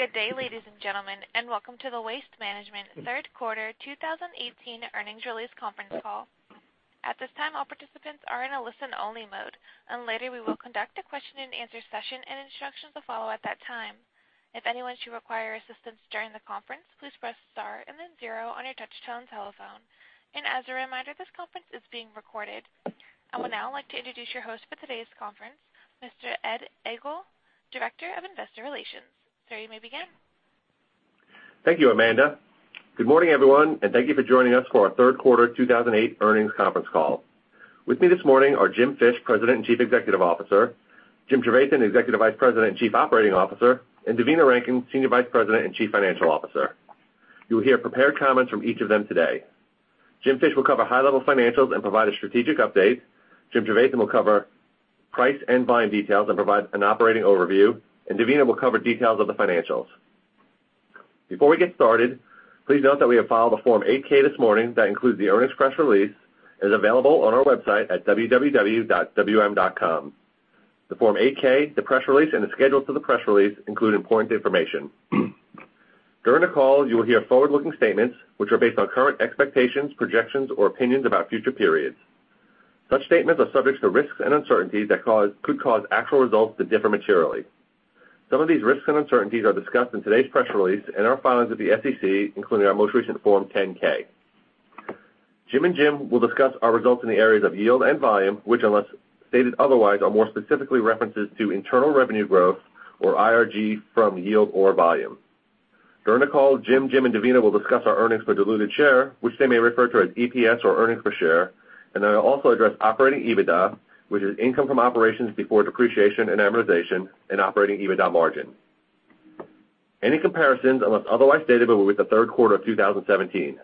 Good day, ladies and gentlemen, welcome to the Waste Management third quarter 2018 earnings release conference call. At this time, all participants are in a listen-only mode. Later we will conduct a question and answer session, and instructions will follow at that time. If anyone should require assistance during the conference, please press star and then zero on your touch-tone telephone. As a reminder, this conference is being recorded. I would now like to introduce your host for today's conference, Mr. Ed Egl, Director of Investor Relations. Sir, you may begin. Thank you, Amanda. Good morning, everyone, thank you for joining us for our third quarter 2018 earnings conference call. With me this morning are Jim Fish, President and Chief Executive Officer, Jim Trevathan, Executive Vice President and Chief Operating Officer, and Devina Rankin, Senior Vice President and Chief Financial Officer. You will hear prepared comments from each of them today. Jim Fish will cover high-level financials and provide a strategic update. Jim Trevathan will cover price and volume details and provide an operating overview. Devina will cover details of the financials. Before we get started, please note that we have filed a Form 8-K this morning that includes the earnings press release. It is available on our website at www.wm.com. The Form 8-K, the press release, and the schedules to the press release include important information. During the call, you will hear forward-looking statements which are based on current expectations, projections, or opinions about future periods. Such statements are subject to risks and uncertainties that could cause actual results to differ materially. Some of these risks and uncertainties are discussed in today's press release and our filings with the SEC, including our most recent Form 10-K. Jim and Jim will discuss our results in the areas of yield and volume, which unless stated otherwise, are more specifically references to internal revenue growth, or IRG, from yield or volume. During the call, Jim, and Devina will discuss our earnings per diluted share, which they may refer to as EPS or earnings per share. They will also address operating EBITDA, which is income from operations before depreciation and amortization, and operating EBITDA margin. Any comparisons, unless otherwise stated, will be with the third quarter of 2017.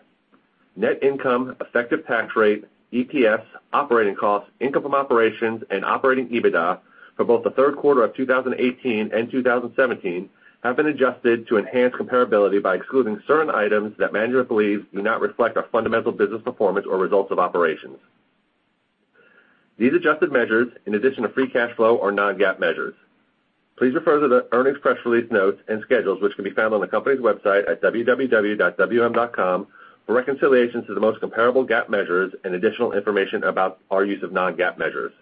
Net income, effective tax rate, EPS, operating costs, income from operations, and operating EBITDA for both the third quarter of 2018 and 2017 have been adjusted to enhance comparability by excluding certain items that management believes do not reflect our fundamental business performance or results of operations. These adjusted measures, in addition to free cash flow, are non-GAAP measures. Please refer to the earnings press release notes and schedules, which can be found on the company's website at www.wm.com for reconciliations to the most comparable GAAP measures and additional information about our use of non-GAAP measures.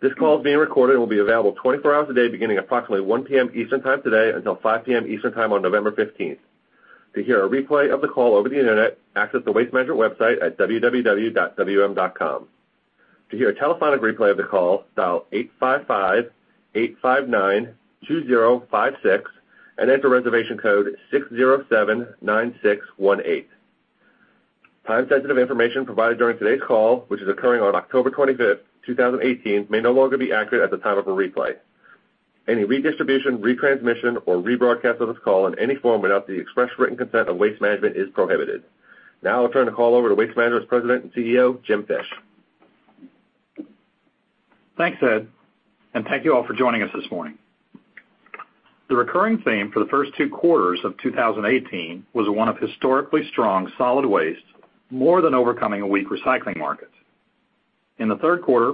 This call is being recorded and will be available 24 hours a day beginning approximately 1:00 P.M. Eastern time today until 5:00 P.M. Eastern time on November 15th. To hear a replay of the call over the internet, access the Waste Management website at www.wm.com. To hear a telephonic replay of the call, dial 855-859-2056 and enter reservation code 6079618. Time-sensitive information provided during today's call, which is occurring on October 25th, 2018, may no longer be accurate at the time of a replay. Any redistribution, retransmission, or rebroadcast of this call in any form without the express written consent of Waste Management is prohibited. Now I'll turn the call over to Waste Management's President and CEO, Jim Fish. Thanks, Ed, thank you all for joining us this morning. The recurring theme for the first two quarters of 2018 was one of historically strong solid waste, more than overcoming a weak recycling market. In the third quarter,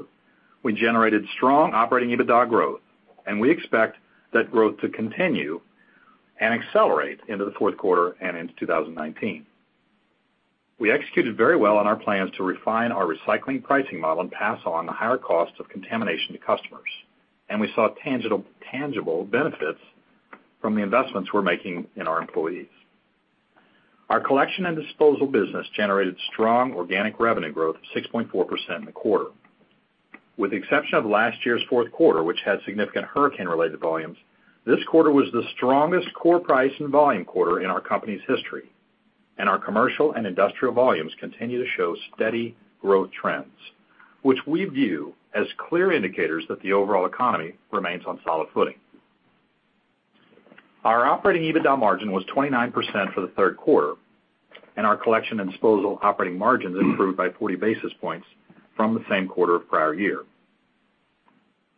we generated strong operating EBITDA growth, we expect that growth to continue and accelerate into the fourth quarter and into 2019. We executed very well on our plans to refine our recycling pricing model and pass on the higher cost of contamination to customers. We saw tangible benefits from the investments we're making in our employees. Our collection and disposal business generated strong organic revenue growth of 6.4% in the quarter. With the exception of last year's fourth quarter, which had significant hurricane-related volumes, this quarter was the strongest core price and volume quarter in our company's history. Our commercial and industrial volumes continue to show steady growth trends, which we view as clear indicators that the overall economy remains on solid footing. Our operating EBITDA margin was 29% for the third quarter, our collection and disposal operating margins improved by 40 basis points from the same quarter of prior year.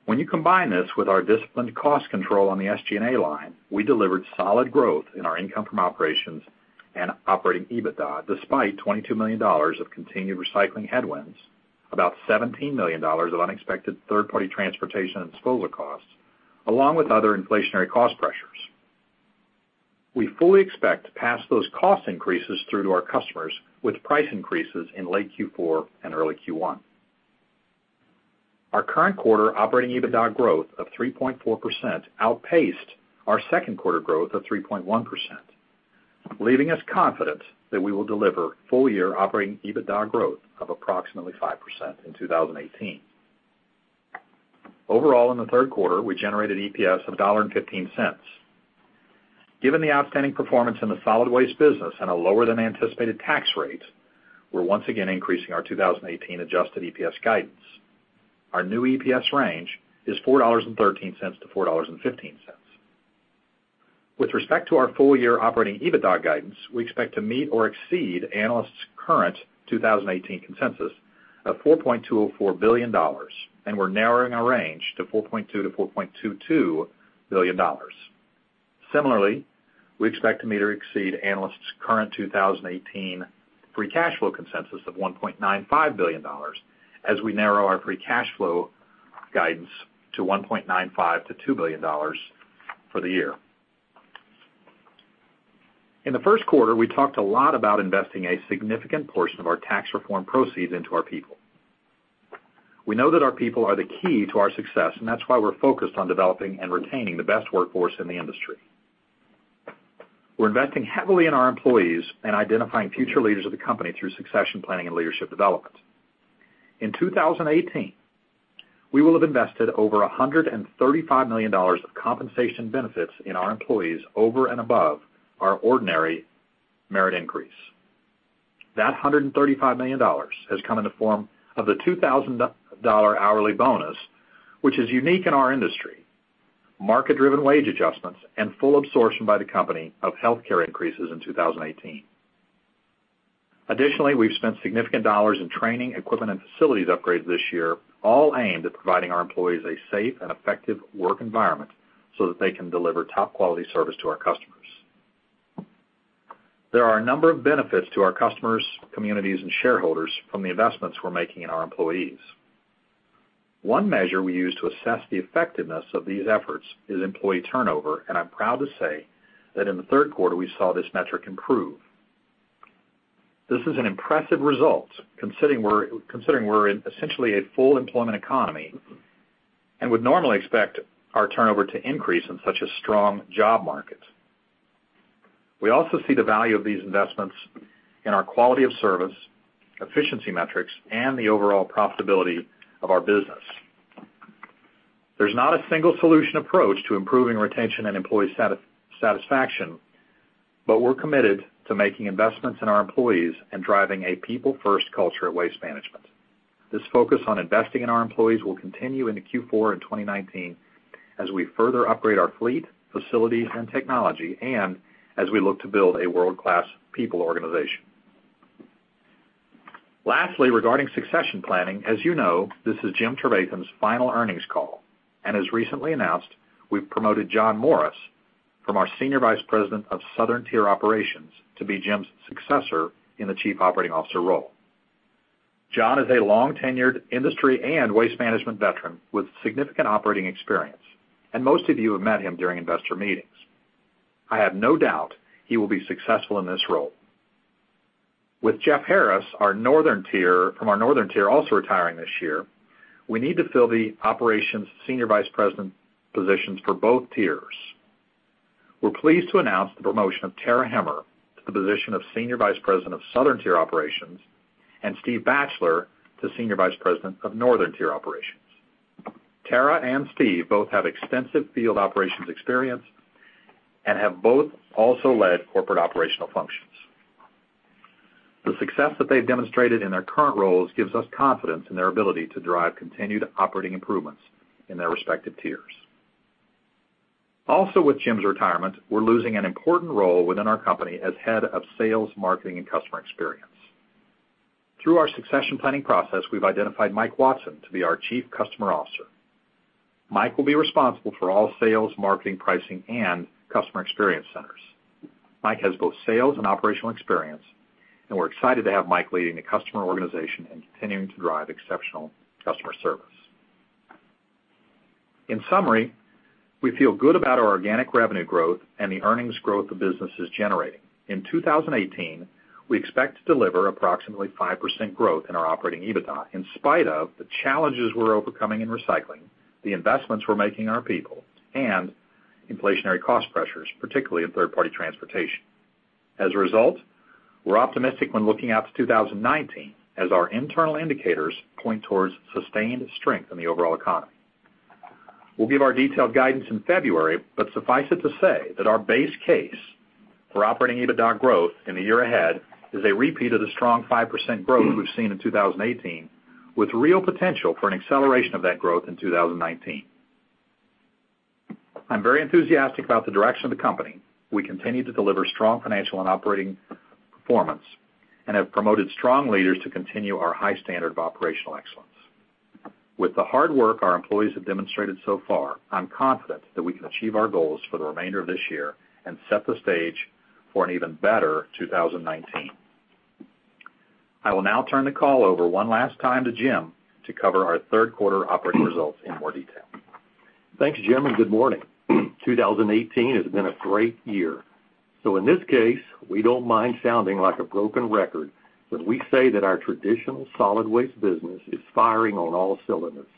When you combine this with our disciplined cost control on the SG&A line, we delivered solid growth in our income from operations and operating EBITDA, despite $22 million of continued recycling headwinds, about $17 million of unexpected third-party transportation and disposal costs, along with other inflationary cost pressures. We fully expect to pass those cost increases through to our customers with price increases in late Q4 and early Q1. Our current quarter operating EBITDA growth of 3.4% outpaced our second quarter growth of 3.1%, leaving us confident that we will deliver full-year operating EBITDA growth of approximately 5% in 2018. Overall, in the third quarter, we generated EPS of $1.15. Given the outstanding performance in the solid waste business and a lower-than-anticipated tax rate, we're once again increasing our 2018 adjusted EPS guidance. Our new EPS range is $4.13-$4.15. With respect to our full-year operating EBITDA guidance, we expect to meet or exceed analysts' current 2018 consensus of $4.204 billion, we're narrowing our range to $4.2 billion-$4.22 billion. Similarly, we expect to meet or exceed analysts' current 2018 free cash flow consensus of $1.95 billion, as we narrow our free cash flow guidance to $1.95 billion-$2 billion for the year. In the first quarter, we talked a lot about investing a significant portion of our tax reform proceeds into our people. We know that our people are the key to our success, and that's why we're focused on developing and retaining the best workforce in the industry. We're investing heavily in our employees and identifying future leaders of the company through succession planning and leadership development. In 2018, we will have invested over $135 million of compensation benefits in our employees over and above our ordinary merit increase. That $135 million has come in the form of the $2,000 hourly bonus, which is unique in our industry, market-driven wage adjustments, and full absorption by the company of healthcare increases in 2018. We've spent significant dollars in training, equipment, and facilities upgrades this year, all aimed at providing our employees a safe and effective work environment so that they can deliver top-quality service to our customers. There are a number of benefits to our customers, communities, and shareholders from the investments we're making in our employees. One measure we use to assess the effectiveness of these efforts is employee turnover, and I'm proud to say that in the third quarter, we saw this metric improve. This is an impressive result considering we're in essentially a full employment economy and would normally expect our turnover to increase in such a strong job market. We also see the value of these investments in our quality of service, efficiency metrics, and the overall profitability of our business. There's not a single solution approach to improving retention and employee satisfaction. We're committed to making investments in our employees and driving a people-first culture at Waste Management. This focus on investing in our employees will continue into Q4 in 2019 as we further upgrade our fleet, facilities, and technology, and as we look to build a world-class people organization. Lastly, regarding succession planning, as you know, this is Jim Trevathan's final earnings call. As recently announced, we've promoted John Morris from our Senior Vice President of Southern Tier Operations to be Jim's successor in the Chief Operating Officer role. John is a long-tenured industry and Waste Management veteran with significant operating experience, and most of you have met him during investor meetings. I have no doubt he will be successful in this role. With Jeff Harris from our Northern Tier also retiring this year, we need to fill the operations senior vice president positions for both tiers. We're pleased to announce the promotion of Tara Hemmer to the position of Senior Vice President of Southern Tier Operations and Steve Batchelor to Senior Vice President of Northern Tier Operations. Tara and Steve both have extensive field operations experience and have both also led corporate operational functions. The success that they've demonstrated in their current roles gives us confidence in their ability to drive continued operating improvements in their respective tiers. Also with Jim's retirement, we're losing an important role within our company as Head of Sales, Marketing, and Customer Experience. Through our succession planning process, we've identified Mike Watson to be our Chief Customer Officer. Mike will be responsible for all sales, marketing, pricing, and customer experience centers. Mike has both sales and operational experience. We're excited to have Mike leading the customer organization and continuing to drive exceptional customer service. In summary, we feel good about our organic revenue growth and the earnings growth the business is generating. In 2018, we expect to deliver approximately 5% growth in our operating EBITDA, in spite of the challenges we're overcoming in recycling, the investments we're making in our people, and inflationary cost pressures, particularly in third-party transportation. As a result, we're optimistic when looking out to 2019, as our internal indicators point towards sustained strength in the overall economy. We'll give our detailed guidance in February, suffice it to say that our base case for operating EBITDA growth in the year ahead is a repeat of the strong 5% growth we've seen in 2018, with real potential for an acceleration of that growth in 2019. I'm very enthusiastic about the direction of the company. We continue to deliver strong financial and operating performance and have promoted strong leaders to continue our high standard of operational excellence. With the hard work our employees have demonstrated so far, I'm confident that we can achieve our goals for the remainder of this year and set the stage for an even better 2019. I will now turn the call over one last time to Jim to cover our third quarter operating results in more detail. Thanks, Jim. Good morning. 2018 has been a great year. In this case, we don't mind sounding like a broken record when we say that our traditional solid waste business is firing on all cylinders.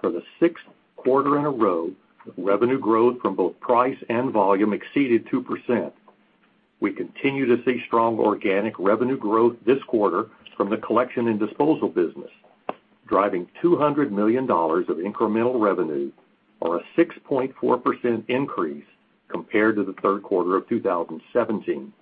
For the sixth quarter in a row, revenue growth from both price and volume exceeded 2%. We continue to see strong organic revenue growth this quarter from the collection and disposal business, driving $200 million of incremental revenue or a 6.4% increase compared to the third quarter of 2017.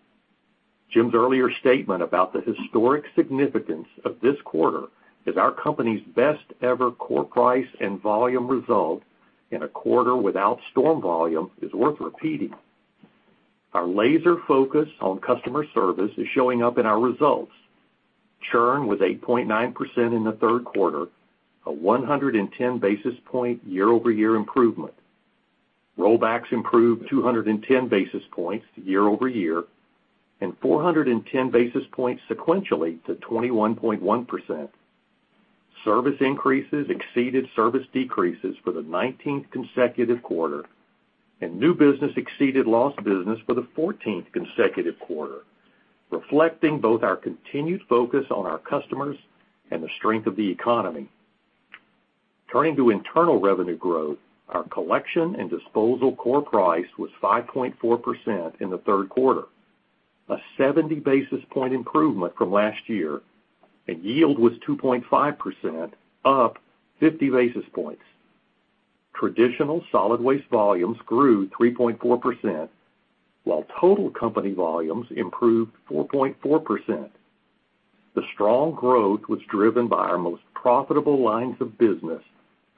Jim's earlier statement about the historic significance of this quarter as our company's best ever core price and volume result in a quarter without storm volume is worth repeating. Our laser focus on customer service is showing up in our results. Churn was 8.9% in the third quarter, a 110 basis point year-over-year improvement. Rollbacks improved 210 basis points year-over-year and 410 basis points sequentially to 21.1%. Service increases exceeded service decreases for the 19th consecutive quarter. New business exceeded lost business for the 14th consecutive quarter, reflecting both our continued focus on our customers and the strength of the economy. Turning to internal revenue growth, our collection and disposal core price was 5.4% in the third quarter, a 70 basis point improvement from last year, and yield was 2.5%, up 50 basis points. Traditional solid waste volumes grew 3.4%, while total company volumes improved 4.4%. The strong growth was driven by our most profitable lines of business,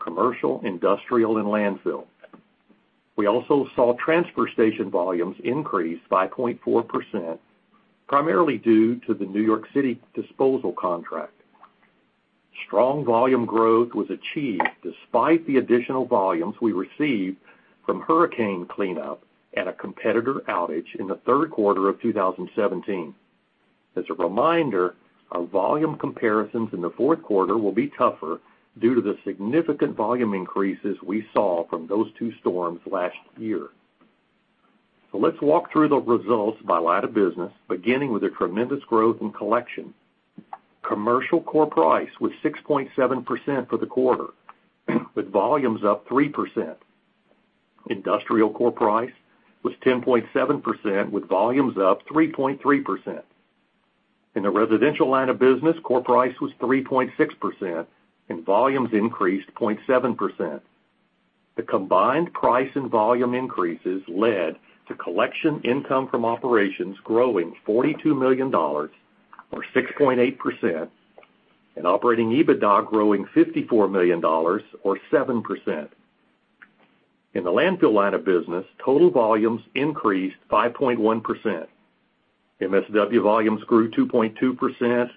commercial, industrial, and landfill. We also saw transfer station volumes increase 5.4%, primarily due to the New York City disposal contract. Strong volume growth was achieved despite the additional volumes we received from hurricane cleanup and a competitor outage in the third quarter of 2017. As a reminder, our volume comparisons in the fourth quarter will be tougher due to the significant volume increases we saw from those two storms last year. Let's walk through the results by line of business, beginning with the tremendous growth in collection. Commercial core price was 6.7% for the quarter, with volumes up 3%. Industrial core price was 10.7%, with volumes up 3.3%. In the residential line of business, core price was 3.6%, and volumes increased 0.7%. The combined price and volume increases led to collection income from operations growing $42 million, or 6.8%, and operating EBITDA growing $54 million, or 7%. In the landfill line of business, total volumes increased 5.1%. MSW volumes grew 2.2%,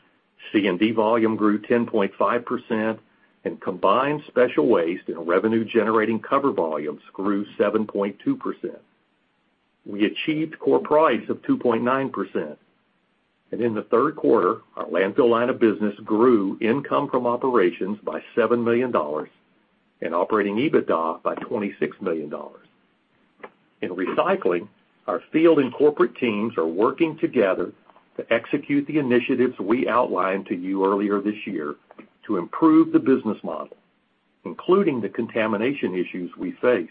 C&D volume grew 10.5%, and combined special waste and revenue-generating cover volumes grew 7.2%. We achieved core price of 2.9%. In the third quarter, our landfill line of business grew income from operations by $7 million and operating EBITDA by $26 million. In recycling, our field and corporate teams are working together to execute the initiatives we outlined to you earlier this year to improve the business model, including the contamination issues we face.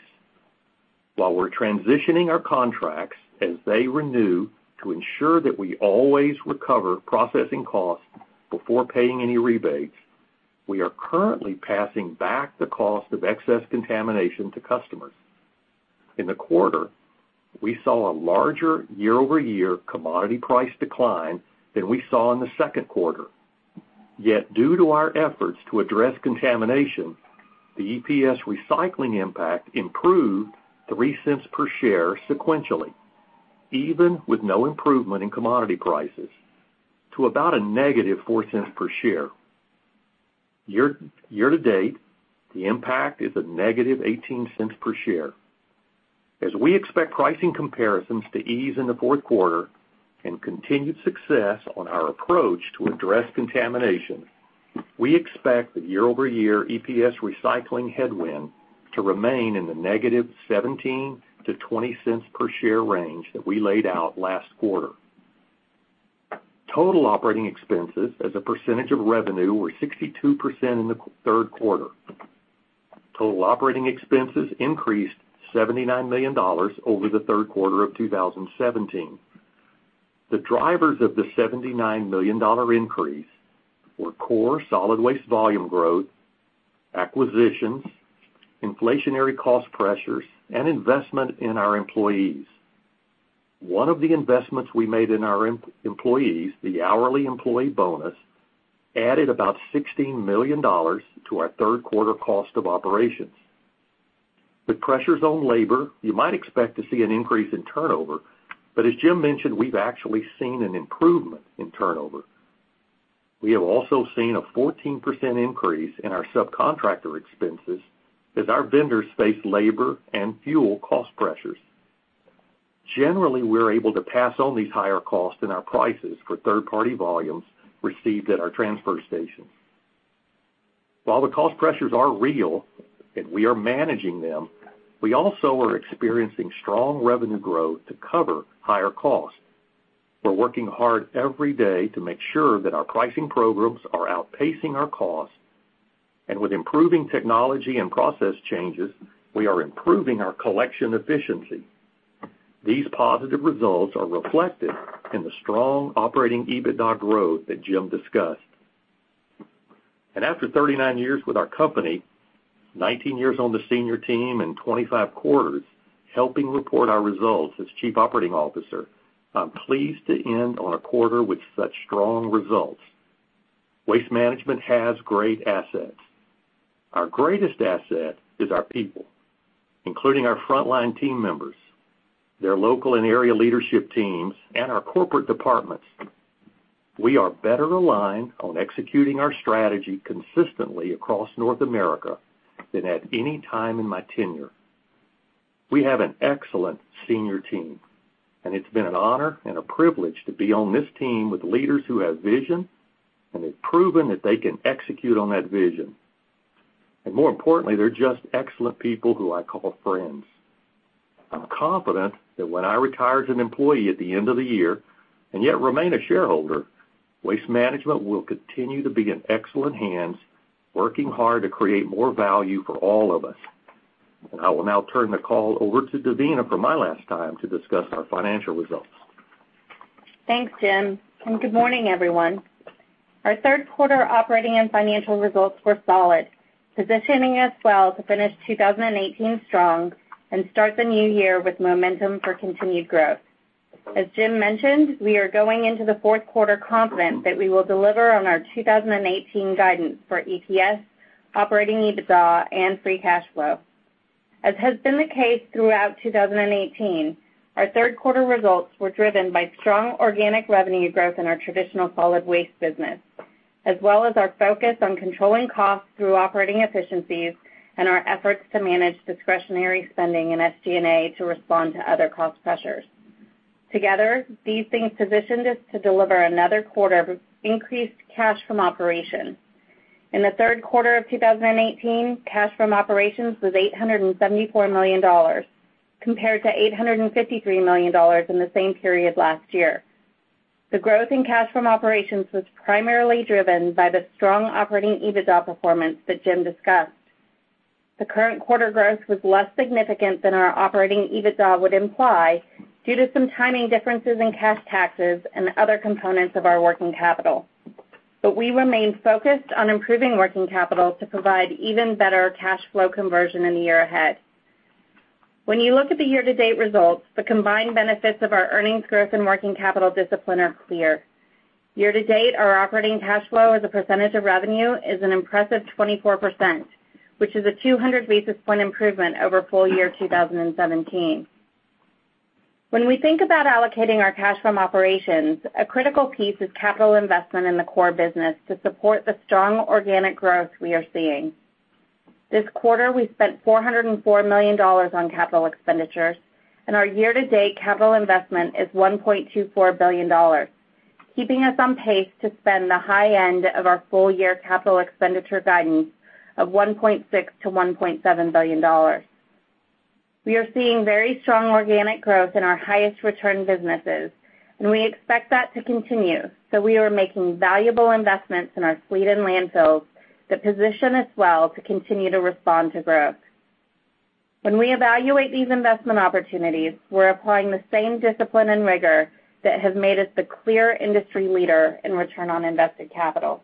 While we're transitioning our contracts as they renew to ensure that we always recover processing costs before paying any rebates, we are currently passing back the cost of excess contamination to customers. In the quarter, we saw a larger year-over-year commodity price decline than we saw in the second quarter. Yet, due to our efforts to address contamination, the EPS recycling impact improved $0.03 per share sequentially, even with no improvement in commodity prices to about a negative $0.04 per share. Year to date, the impact is a negative $0.18 per share. As we expect pricing comparisons to ease in the fourth quarter and continued success on our approach to address contamination, we expect the year-over-year EPS recycling headwind to remain in the negative $0.17-$0.20 per share range that we laid out last quarter. Total operating expenses as a percentage of revenue were 62% in the third quarter. Total operating expenses increased $79 million over the third quarter of 2017. The drivers of the $79 million increase were core solid waste volume growth, acquisitions, inflationary cost pressures, and investment in our employees. One of the investments we made in our employees, the hourly employee bonus, added about $16 million to our third quarter cost of operations. With pressures on labor, you might expect to see an increase in turnover, but as Jim mentioned, we've actually seen an improvement in turnover. We have also seen a 14% increase in our subcontractor expenses as our vendors face labor and fuel cost pressures. Generally, we're able to pass on these higher costs in our prices for third-party volumes received at our transfer stations. While the cost pressures are real and we are managing them, we also are experiencing strong revenue growth to cover higher costs. We're working hard every day to make sure that our pricing programs are outpacing our costs, with improving technology and process changes, we are improving our collection efficiency. These positive results are reflected in the strong operating EBITDA growth that Jim discussed. After 39 years with our company, 19 years on the senior team, and 25 quarters helping report our results as Chief Operating Officer, I'm pleased to end on a quarter with such strong results. Waste Management has great assets. Our greatest asset is our people, including our frontline team members, their local and area leadership teams, and our corporate departments. We are better aligned on executing our strategy consistently across North America than at any time in my tenure. We have an excellent senior team, and it's been an honor and a privilege to be on this team with leaders who have vision and have proven that they can execute on that vision. More importantly, they're just excellent people who I call friends. I'm confident that when I retire as an employee at the end of the year, and yet remain a shareholder, Waste Management will continue to be in excellent hands, working hard to create more value for all of us. I will now turn the call over to Devina for my last time to discuss our financial results. Thanks, Jim, and good morning, everyone. Our third quarter operating and financial results were solid, positioning us well to finish 2018 strong and start the new year with momentum for continued growth. As Jim mentioned, we are going into the fourth quarter confident that we will deliver on our 2018 guidance for EPS, operating EBITDA, and free cash flow. As has been the case throughout 2018, our third quarter results were driven by strong organic revenue growth in our traditional solid waste business, as well as our focus on controlling costs through operating efficiencies and our efforts to manage discretionary spending and SG&A to respond to other cost pressures. Together, these things positioned us to deliver another quarter of increased cash from operations. In the third quarter of 2018, cash from operations was $874 million compared to $853 million in the same period last year. The growth in cash from operations was primarily driven by the strong operating EBITDA performance that Jim discussed. The current quarter growth was less significant than our operating EBITDA would imply due to some timing differences in cash taxes and other components of our working capital. We remain focused on improving working capital to provide even better cash flow conversion in the year ahead. When you look at the year-to-date results, the combined benefits of our earnings growth and working capital discipline are clear. Year-to-date, our operating cash flow as a percentage of revenue is an impressive 24%, which is a 200 basis point improvement over full year 2017. When we think about allocating our cash from operations, a critical piece is capital investment in the core business to support the strong organic growth we are seeing. This quarter, we spent $404 million on capital expenditures, and our year-to-date capital investment is $1.24 billion, keeping us on pace to spend the high end of our full-year capital expenditure guidance of $1.6 billion-$1.7 billion. We are seeing very strong organic growth in our highest return businesses, and we expect that to continue, so we are making valuable investments in our fleet and landfills that position us well to continue to respond to growth. When we evaluate these investment opportunities, we're applying the same discipline and rigor that have made us the clear industry leader in return on invested capital.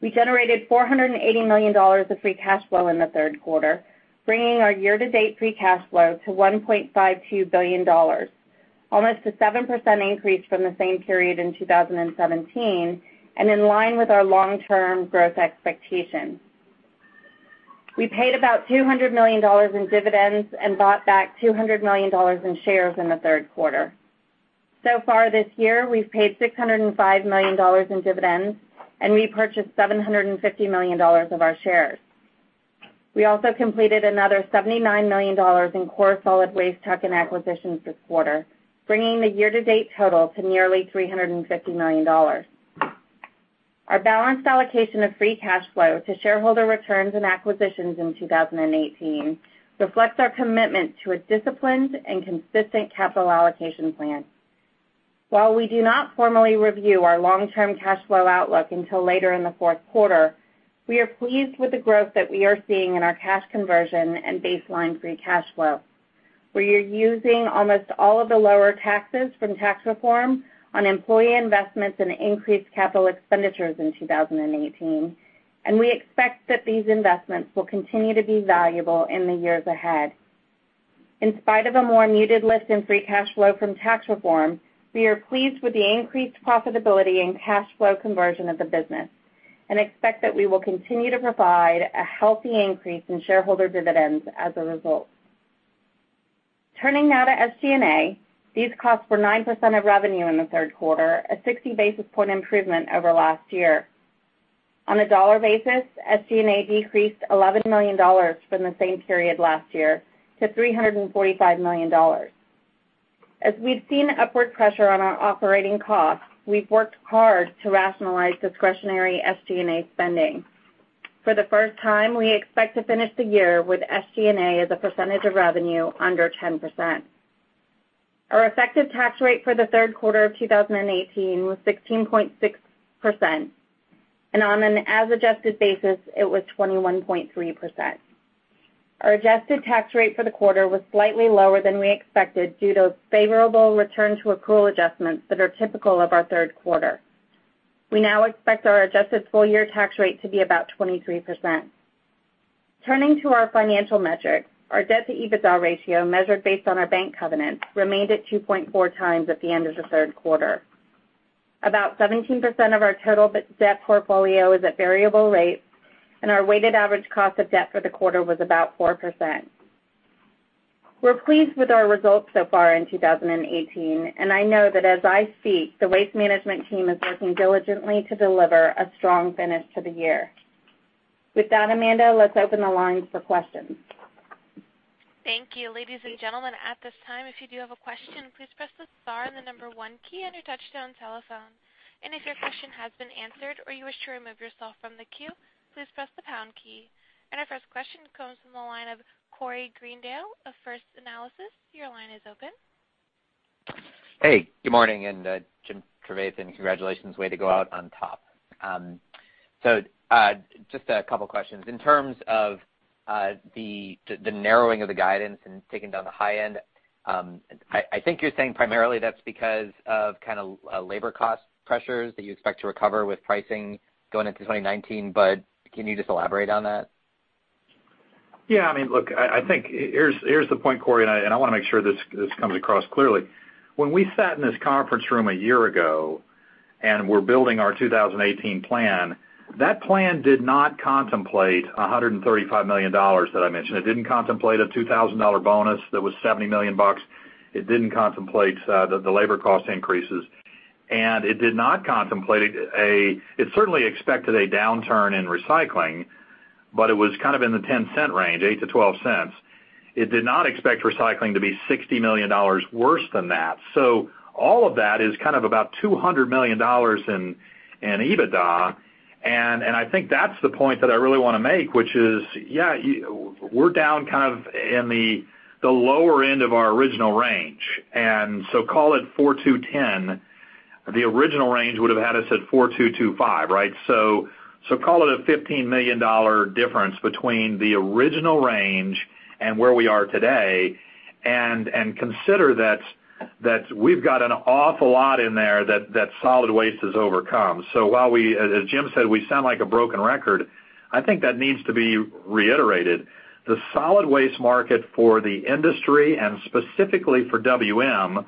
We generated $480 million of free cash flow in the third quarter, bringing our year-to-date free cash flow to $1.52 billion, almost a 7% increase from the same period in 2017 and in line with our long-term growth expectations. We paid about $200 million in dividends and bought back $200 million in shares in the third quarter. Far this year, we've paid $605 million in dividends and repurchased $750 million of our shares. We also completed another $79 million in core solid waste tuck-in acquisitions this quarter, bringing the year-to-date total to nearly $350 million. Our balanced allocation of free cash flow to shareholder returns and acquisitions in 2018 reflects our commitment to a disciplined and consistent capital allocation plan. While we do not formally review our long-term cash flow outlook until later in the fourth quarter, we are pleased with the growth that we are seeing in our cash conversion and baseline free cash flow. We are using almost all of the lower taxes from tax reform on employee investments and increased capital expenditures in 2018. We expect that these investments will continue to be valuable in the years ahead. In spite of a more muted lift in free cash flow from tax reform, we are pleased with the increased profitability and cash flow conversion of the business. We expect that we will continue to provide a healthy increase in shareholder dividends as a result. Turning now to SG&A. These costs were 9% of revenue in the third quarter, a 60 basis point improvement over last year. On a dollar basis, SG&A decreased $11 million from the same period last year to $345 million. As we've seen upward pressure on our operating costs, we've worked hard to rationalize discretionary SG&A spending. For the first time, we expect to finish the year with SG&A as a percentage of revenue under 10%. Our effective tax rate for the third quarter of 2018 was 16.6%, and on an as adjusted basis, it was 21.3%. Our adjusted tax rate for the quarter was slightly lower than we expected due to favorable return to accrual adjustments that are typical of our third quarter. We now expect our adjusted full-year tax rate to be about 23%. Turning to our financial metrics, our debt to EBITDA ratio measured based on our bank covenants remained at 2.4 times at the end of the third quarter. About 17% of our total debt portfolio is at variable rates, and our weighted average cost of debt for the quarter was about 4%. We're pleased with our results so far in 2018. I know that as I speak, the Waste Management team is working diligently to deliver a strong finish to the year. With that, Amanda, let's open the lines for questions. Thank you. Ladies and gentlemen, at this time, if you do have a question, please press the star and the number one key on your touch-tone telephone. If your question has been answered or you wish to remove yourself from the queue, please press the pound key. Our first question comes from the line of Corey Greendale of First Analysis. Your line is open. Hey, good morning, Jim Trevathan, and congratulations. Way to go out on top. Just a couple of questions. In terms of the narrowing of the guidance and taking down the high end, I think you're saying primarily that's because of labor cost pressures that you expect to recover with pricing going into 2019, can you just elaborate on that? Yeah. Look, I think here's the point, Corey, I want to make sure this comes across clearly. When we sat in this conference room a year ago and were building our 2018 plan, that plan did not contemplate $135 million that I mentioned. It didn't contemplate a $2,000 bonus that was $70 million. It didn't contemplate the labor cost increases. It certainly expected a downturn in recycling, but it was in the $0.10 range, $0.08-$0.12. It did not expect recycling to be $60 million worse than that. All of that is about $200 million in EBITDA, I think that's the point that I really want to make, which is, yeah, we're down in the lower end of our original range. Call it $4,210. The original range would have had us at $4,225, right? Call it a $15 million difference between the original range and where we are today, consider that we've got an awful lot in there that solid waste has overcome. While we, as Jim said, we sound like a broken record, I think that needs to be reiterated. The solid waste market for the industry and specifically for WM,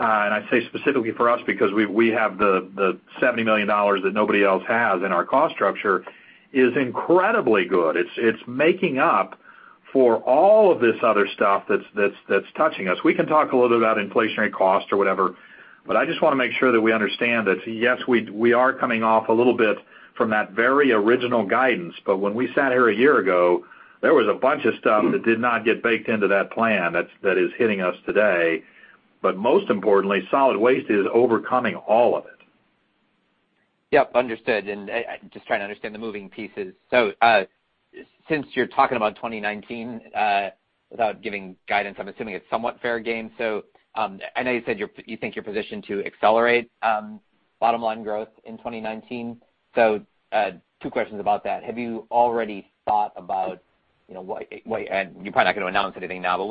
and I say specifically for us because we have the $70 million that nobody else has in our cost structure, is incredibly good. It's making up for all of this other stuff that's touching us. We can talk a little bit about inflationary cost or whatever, I just want to make sure that we understand that, yes, we are coming off a little bit from that very original guidance. When we sat here a year ago, there was a bunch of stuff that did not get baked into that plan that is hitting us today. Most importantly, solid waste is overcoming all of it. Yep, understood. Just trying to understand the moving pieces. Since you're talking about 2019 without giving guidance, I'm assuming it's somewhat fair game. I know you said you think you're positioned to accelerate bottom-line growth in 2019. Two questions about that. Have you already thought about what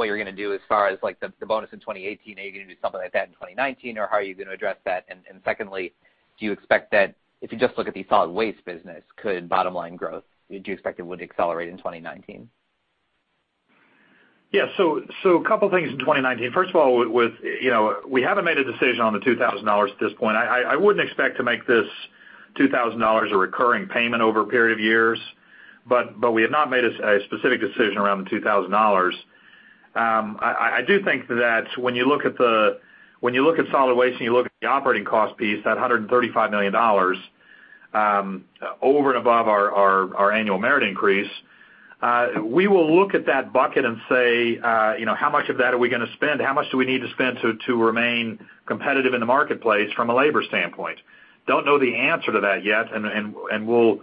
you're going to do as far as the bonus in 2018? Are you going to do something like that in 2019, or how are you going to address that? Secondly, do you expect that if you just look at the solid waste business, could bottom-line growth, do you expect it would accelerate in 2019? Yeah. A couple of things in 2019. First of all, we haven't made a decision on the $2,000 at this point. I wouldn't expect to make this $2,000 a recurring payment over a period of years, but we have not made a specific decision around the $2,000. I do think that when you look at solid waste and you look at the operating cost piece, that $135 million over and above our annual merit increase, we will look at that bucket and say, "How much of that are we going to spend? How much do we need to spend to remain competitive in the marketplace from a labor standpoint?" Don't know the answer to that yet, and we'll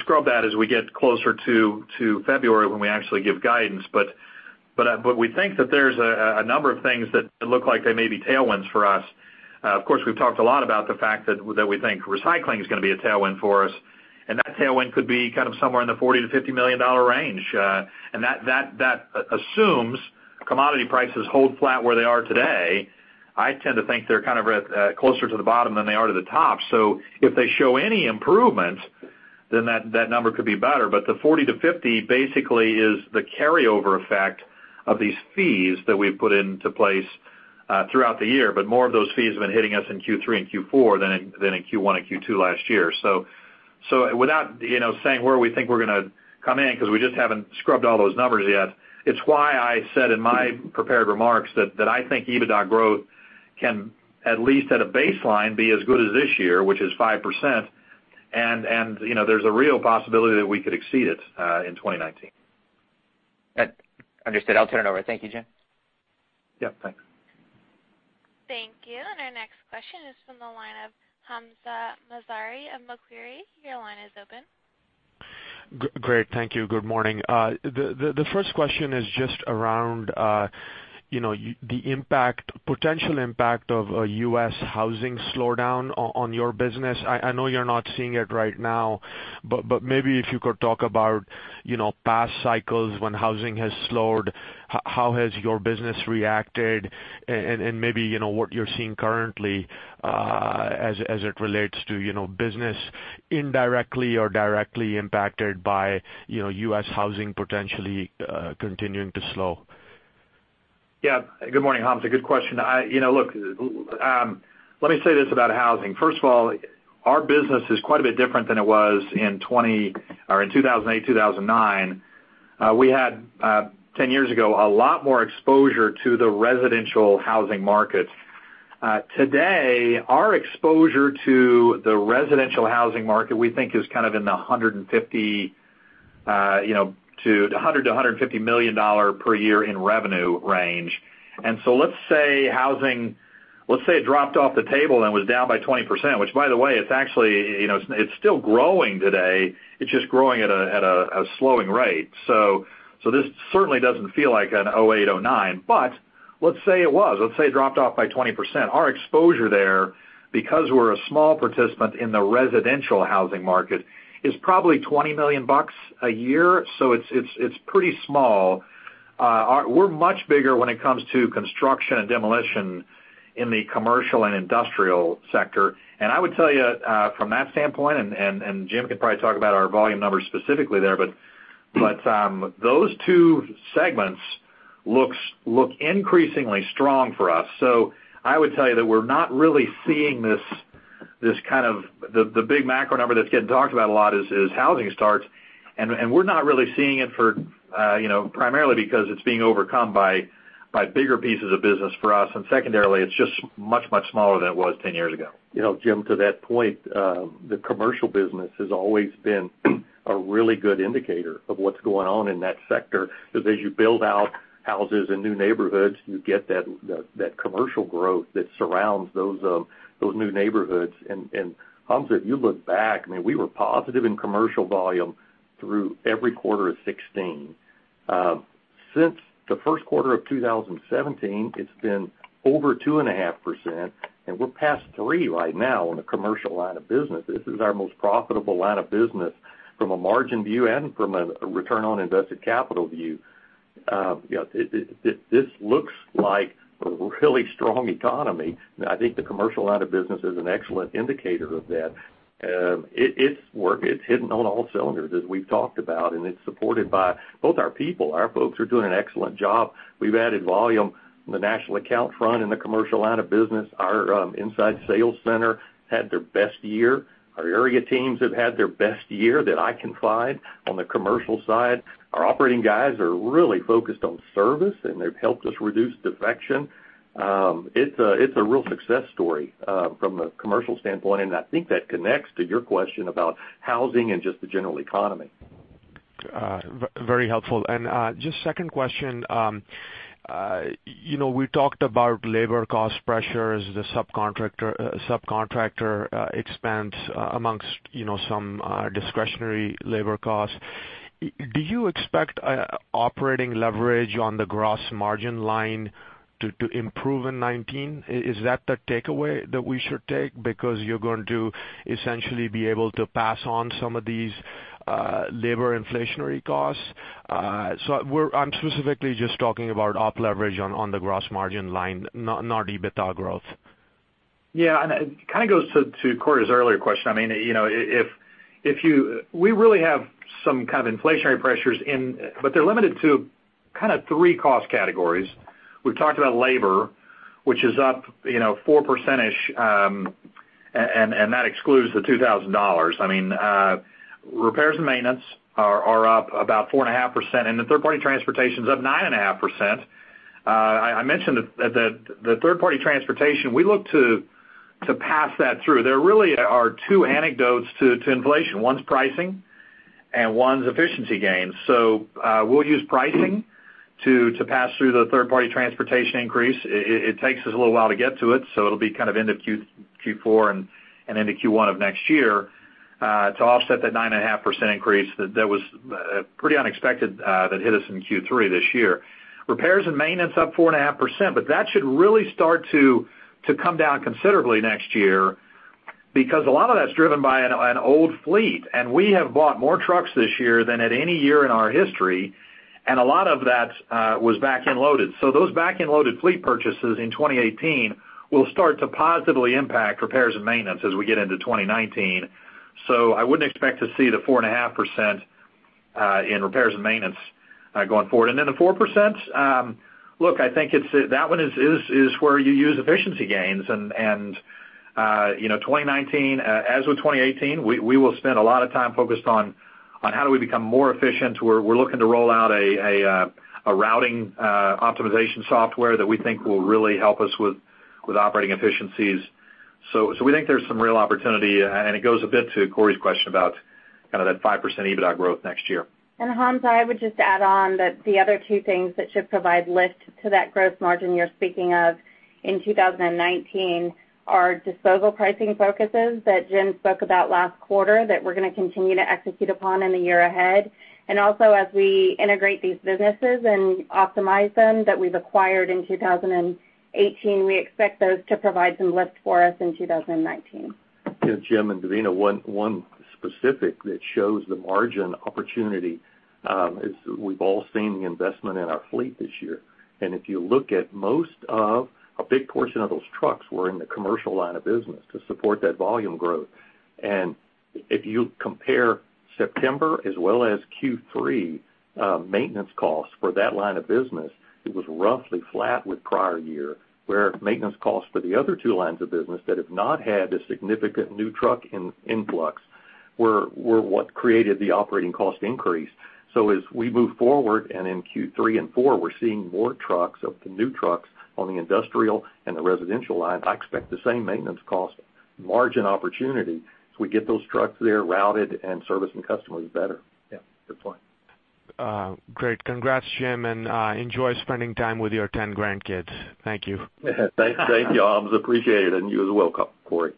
scrub that as we get closer to February when we actually give guidance. We think that there's a number of things that look like they may be tailwinds for us. Of course, we've talked a lot about the fact that we think recycling is going to be a tailwind for us, that tailwind could be somewhere in the $40 million-$50 million range. That assumes commodity prices hold flat where they are today. I tend to think they're closer to the bottom than they are to the top. If they show any improvement, that number could be better. The $40 million-$50 million basically is the carryover effect of these fees that we've put into place throughout the year. More of those fees have been hitting us in Q3 and Q4 than in Q1 and Q2 last year. Without saying where we think we're going to come in, because we just haven't scrubbed all those numbers yet, it's why I said in my prepared remarks that I think EBITDA growth can, at least at a baseline, be as good as this year, which is 5%, and there's a real possibility that we could exceed it in 2019. Understood. I'll turn it over. Thank you, Jim. Yep, thanks. Thank you. Our next question is from the line of Hamzah Mazari of Macquarie. Your line is open. Great. Thank you. Good morning. The first question is just around the potential impact of a U.S. housing slowdown on your business. I know you're not seeing it right now, but maybe if you could talk about past cycles when housing has slowed, how has your business reacted and maybe what you're seeing currently as it relates to business indirectly or directly impacted by U.S. housing potentially continuing to slow? Yeah. Good morning, Hamzah. Good question. Look, let me say this about housing. First of all, our business is quite a bit different than it was in 2008, 2009. We had, 10 years ago, a lot more exposure to the residential housing market. Today, our exposure to the residential housing market, we think, is in the $100 million-$150 million per year in revenue range. Let's say housing dropped off the table and was down by 20%, which by the way, it's still growing today. It's just growing at a slowing rate. This certainly doesn't feel like an 2008, 2009. Let's say it was, let's say it dropped off by 20%. Our exposure there, because we're a small participant in the residential housing market, is probably $20 million a year. It's pretty small. We're much bigger when it comes to construction and demolition in the commercial and industrial sector. I would tell you from that standpoint, Jim can probably talk about our volume numbers specifically there, those two segments look increasingly strong for us. I would tell you that we're not really seeing this kind of-- the big macro number that's getting talked about a lot is housing starts. We're not really seeing it primarily because it's being overcome by bigger pieces of business for us. Secondarily, it's just much, much smaller than it was 10 years ago. Jim, to that point, the commercial business has always been a really good indicator of what's going on in that sector, because as you build out houses and new neighborhoods, you get that commercial growth that surrounds those new neighborhoods. Hamzah, if you look back, we were positive in commercial volume through every quarter of 2016. Since the first quarter of 2017, it's been over 2.5%, and we're past three right now in the commercial line of business. This is our most profitable line of business from a margin view and from a return on invested capital view. This looks like a really strong economy. I think the commercial line of business is an excellent indicator of that. It's working. It's hitting on all cylinders, as we've talked about, it's supported by both our people. Our folks are doing an excellent job. We've added volume on the national account front in the commercial line of business. Our inside sales center had their best year. Our area teams have had their best year that I can find on the commercial side. Our operating guys are really focused on service, and they've helped us reduce defection. It's a real success story from a commercial standpoint. I think that connects to your question about housing and just the general economy. Very helpful. Just second question, we talked about labor cost pressures, the subcontractor expense amongst some discretionary labor costs. Do you expect operating leverage on the gross margin line to improve in 2019? Is that the takeaway that we should take because you're going to essentially be able to pass on some of these labor inflationary costs? I'm specifically just talking about op leverage on the gross margin line, not EBITDA growth. Yeah. It kind of goes to Corey's earlier question. We really have some kind of inflationary pressures, but they're limited to kind of 3 cost categories. We've talked about labor, which is up 4%-ish, and that excludes the $2,000. Repairs and maintenance are up about 4.5%, and the third-party transportation's up 9.5%. I mentioned the third-party transportation. We look to pass that through. There really are two anecdotes to inflation. One's pricing and one's efficiency gains. We'll use pricing to pass through the third-party transportation increase. It takes us a little while to get to it. It'll be kind of end of Q4 and into Q1 of next year to offset that 9.5% increase that was pretty unexpected that hit us in Q3 this year. Repairs and maintenance up 4.5%. That should really start to come down considerably next year because a lot of that's driven by an old fleet. We have bought more trucks this year than at any year in our history, and a lot of that was back-end loaded. Those back-end loaded fleet purchases in 2018 will start to positively impact repairs and maintenance as we get into 2019. I wouldn't expect to see the 4.5% in repairs and maintenance going forward. The 4%, look, I think that one is where you use efficiency gains. 2019, as with 2018, we will spend a lot of time focused on how do we become more efficient. We're looking to roll out a routing optimization software that we think will really help us with operating efficiencies. We think there's some real opportunity, and it goes a bit to Corey's question about that 5% EBITDA growth next year. Hamzah, I would just add on that the other two things that should provide lift to that gross margin you're speaking of in 2019 are disposal pricing focuses that Jim spoke about last quarter that we're going to continue to execute upon in the year ahead. Also as we integrate these businesses and optimize them that we've acquired in 2018, we expect those to provide some lift for us in 2019. Jim and Devina, one specific that shows the margin opportunity is we've all seen the investment in our fleet this year. A big portion of those trucks were in the commercial line of business to support that volume growth. If you compare September as well as Q3 maintenance costs for that line of business, it was roughly flat with prior year, where maintenance costs for the other two lines of business that have not had a significant new truck influx were what created the operating cost increase. As we move forward, and in Q3 and Q4, we're seeing more trucks of the new trucks on the industrial and the residential lines. I expect the same maintenance cost margin opportunity as we get those trucks there routed and servicing customers better. Yeah. Good point. Great. Congrats, Jim, and enjoy spending time with your 10 grandkids. Thank you. Thank you, Hamzah. Appreciate it. You as well, Corey.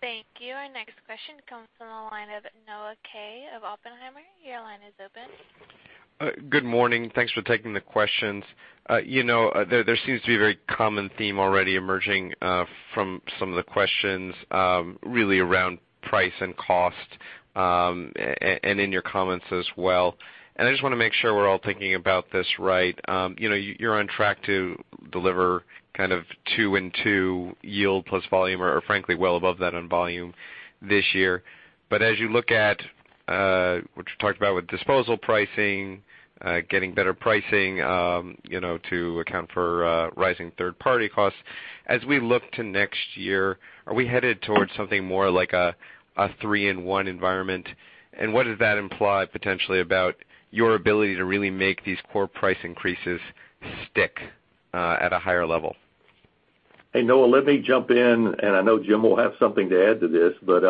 Thank you. Our next question comes from the line of Noah Kaye of Oppenheimer. Your line is open. Good morning. Thanks for taking the questions. There seems to be a very common theme already emerging from some of the questions, really around price and cost, and in your comments as well. I just want to make sure we're all thinking about this right. You're on track to deliver kind of two and two yield plus volume, or frankly, well above that on volume this year. As you look at what you talked about with disposal pricing, getting better pricing to account for rising third-party costs. As we look to next year, are we headed towards something more like a three-in-one environment? What does that imply potentially about your ability to really make these core price increases stick at a higher level? Hey, Noah, let me jump in. I know Jim will have something to add to this, but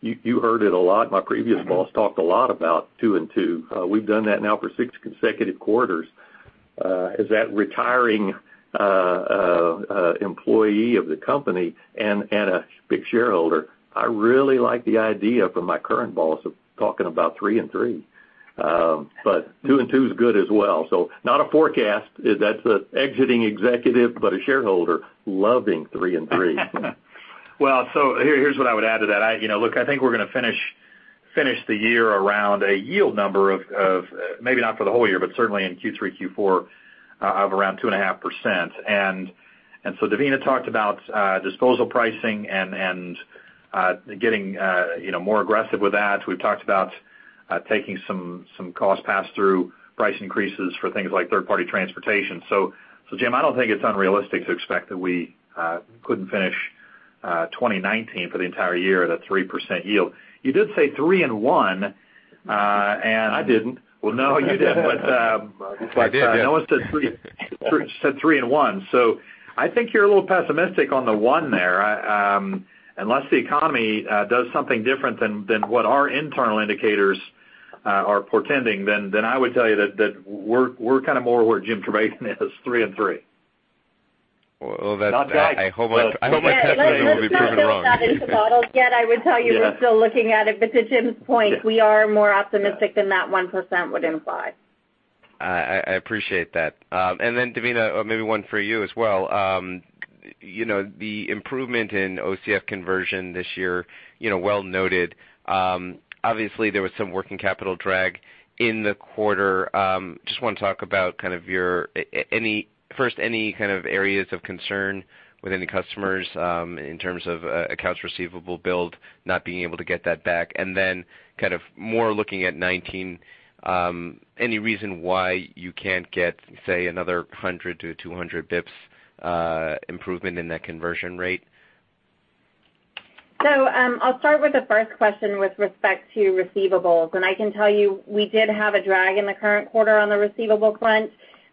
you heard it a lot. My previous boss talked a lot about two and two. We've done that now for six consecutive quarters. As that retiring employee of the company and a big shareholder, I really like the idea from my current boss of talking about three and three. Two and two is good as well, so not a forecast. That's an exiting executive, but a shareholder loving three and three. Here's what I would add to that. Look, I think we're going to finish the year around a yield number of, maybe not for the whole year, but certainly in Q3, Q4 of around two and a half%. Devina talked about disposal pricing and getting more aggressive with that. We've talked about taking some cost pass-through price increases for things like third-party transportation. Jim, I don't think it's unrealistic to expect that we couldn't finish 2019 for the entire year at a 3% yield. You did say three and one. I didn't. No, you didn't. I did. Noah said three and one. I think you're a little pessimistic on the one there. Unless the economy does something different than what our internal indicators are portending, I would tell you that we're kind of more where Jim Trevathan is, three and three. Well, that- Not yet. I hope I'm proven to be proven wrong. Let's not put that into bottles yet. I would tell you we're still looking at it. To Jim's point, we are more optimistic than that 1% would imply. I appreciate that. Devina, maybe one for you as well. The improvement in OCF conversion this year, well noted. Obviously, there was some working capital drag in the quarter. Want to talk about first, any kind of areas of concern with any customers in terms of accounts receivable build, not being able to get that back. Kind of more looking at 2019, any reason why you can't get, say, another 100-200 basis points improvement in that conversion rate? I'll start with the first question with respect to receivables. I can tell you we did have a drag in the current quarter on the receivables front,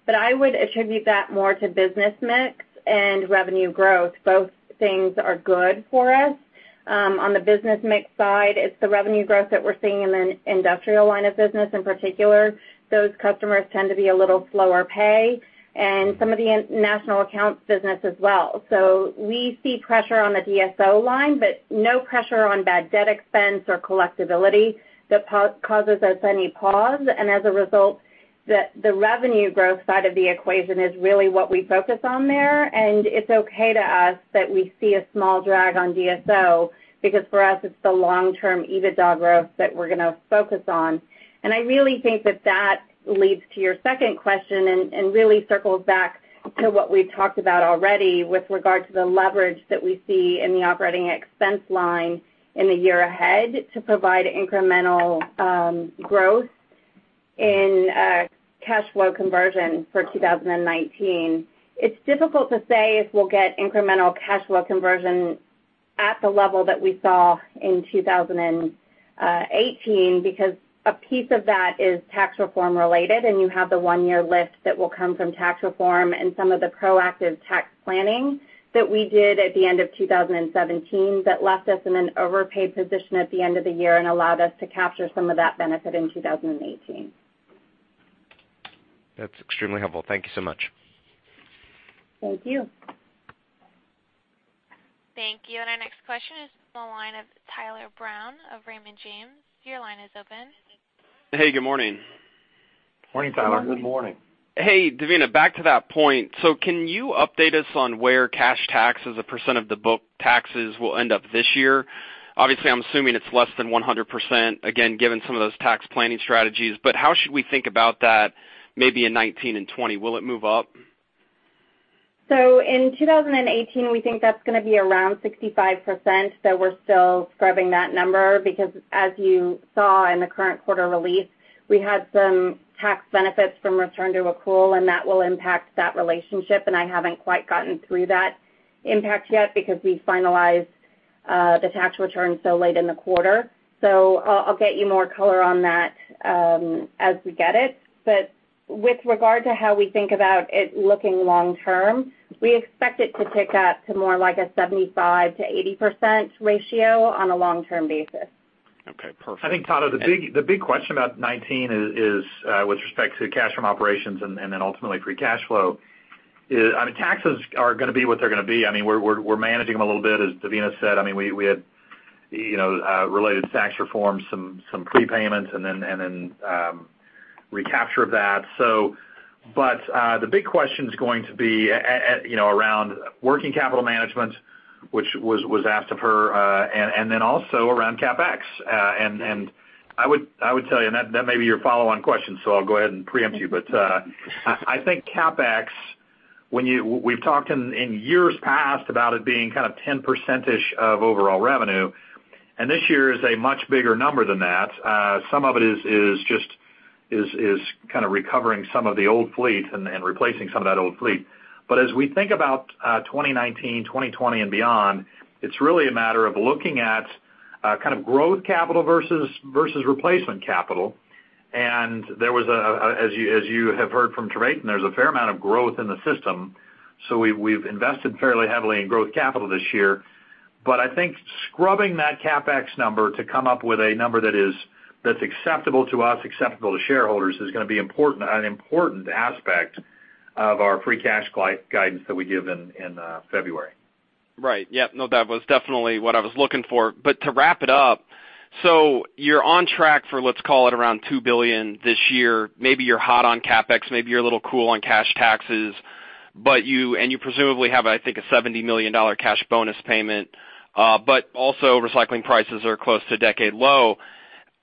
I would attribute that more to business mix and revenue growth. Both things are good for us. On the business mix side, it's the revenue growth that we're seeing in the industrial line of business, in particular. Those customers tend to be a little slower pay, and some of the national accounts business as well. We see pressure on the DSO line, no pressure on bad debt expense or collectibility that causes us any pause. As a result, the revenue growth side of the equation is really what we focus on there. It's okay to us that we see a small drag on DSO because for us, it's the long-term EBITDA growth that we're going to focus on. I really think that leads to your second question and really circles back to what we've talked about already with regard to the leverage that we see in the operating expense line in the year ahead to provide incremental growth in cash flow conversion for 2019. It's difficult to say if we'll get incremental cash flow conversion at the level that we saw in 2018 because a piece of that is tax reform related, and you have the one-year lift that will come from tax reform and some of the proactive tax planning that we did at the end of 2017 that left us in an overpaid position at the end of the year and allowed us to capture some of that benefit in 2018. That's extremely helpful. Thank you so much. Thank you. Thank you. Our next question is on the line of Tyler Brown of Raymond James. Your line is open. Hey, good morning. Morning, Tyler. Good morning. Hey, Devina, back to that point. Can you update us on where cash tax as a % of the book taxes will end up this year? Obviously, I'm assuming it's less than 100%, again, given some of those tax planning strategies. How should we think about that maybe in 2019 and 2020? Will it move up? In 2018, we think that's going to be around 65%, so we're still scrubbing that number because as you saw in the current quarter release, we had some tax benefits from return to accrual, and that will impact that relationship, and I haven't quite gotten through that impact yet because we finalized the tax return so late in the quarter. I'll get you more color on that as we get it. With regard to how we think about it looking long term, we expect it to tick up to more like a 75%-80% ratio on a long-term basis. Okay. Perfect. I think, Tyler, the big question about 2019 is with respect to cash from operations and then ultimately free cash flow. Taxes are going to be what they're going to be. We're managing them a little bit, as Devina said. We had related tax reforms, some prepayments, and then recapture of that. The big question is going to be around working capital management, which was asked of her, and then also around CapEx. I would tell you, and that may be your follow-on question, so I'll go ahead and preempt you. I think CapEx, we've talked in years past about it being 10%-ish of overall revenue, and this year is a much bigger number than that. Some of it is just recovering some of the old fleet and replacing some of that old fleet. As we think about 2019, 2020 and beyond, it's really a matter of looking at growth capital versus replacement capital. As you have heard from Trevathan, there's a fair amount of growth in the system, so we've invested fairly heavily in growth capital this year. I think scrubbing that CapEx number to come up with a number that's acceptable to us, acceptable to shareholders, is going to be an important aspect of our free cash guidance that we give in February. Right. Yeah, no, that was definitely what I was looking for. To wrap it up, you're on track for, let's call it around $2 billion this year. Maybe you're hot on CapEx, maybe you're a little cool on cash taxes, and you presumably have, I think, a $70 million cash bonus payment. Also, recycling prices are close to a decade low.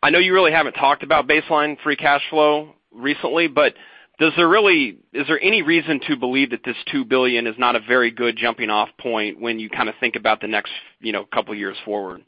I know you really haven't talked about baseline free cash flow recently, but is there any reason to believe that this $2 billion is not a very good jumping-off point when you think about the next couple years forward?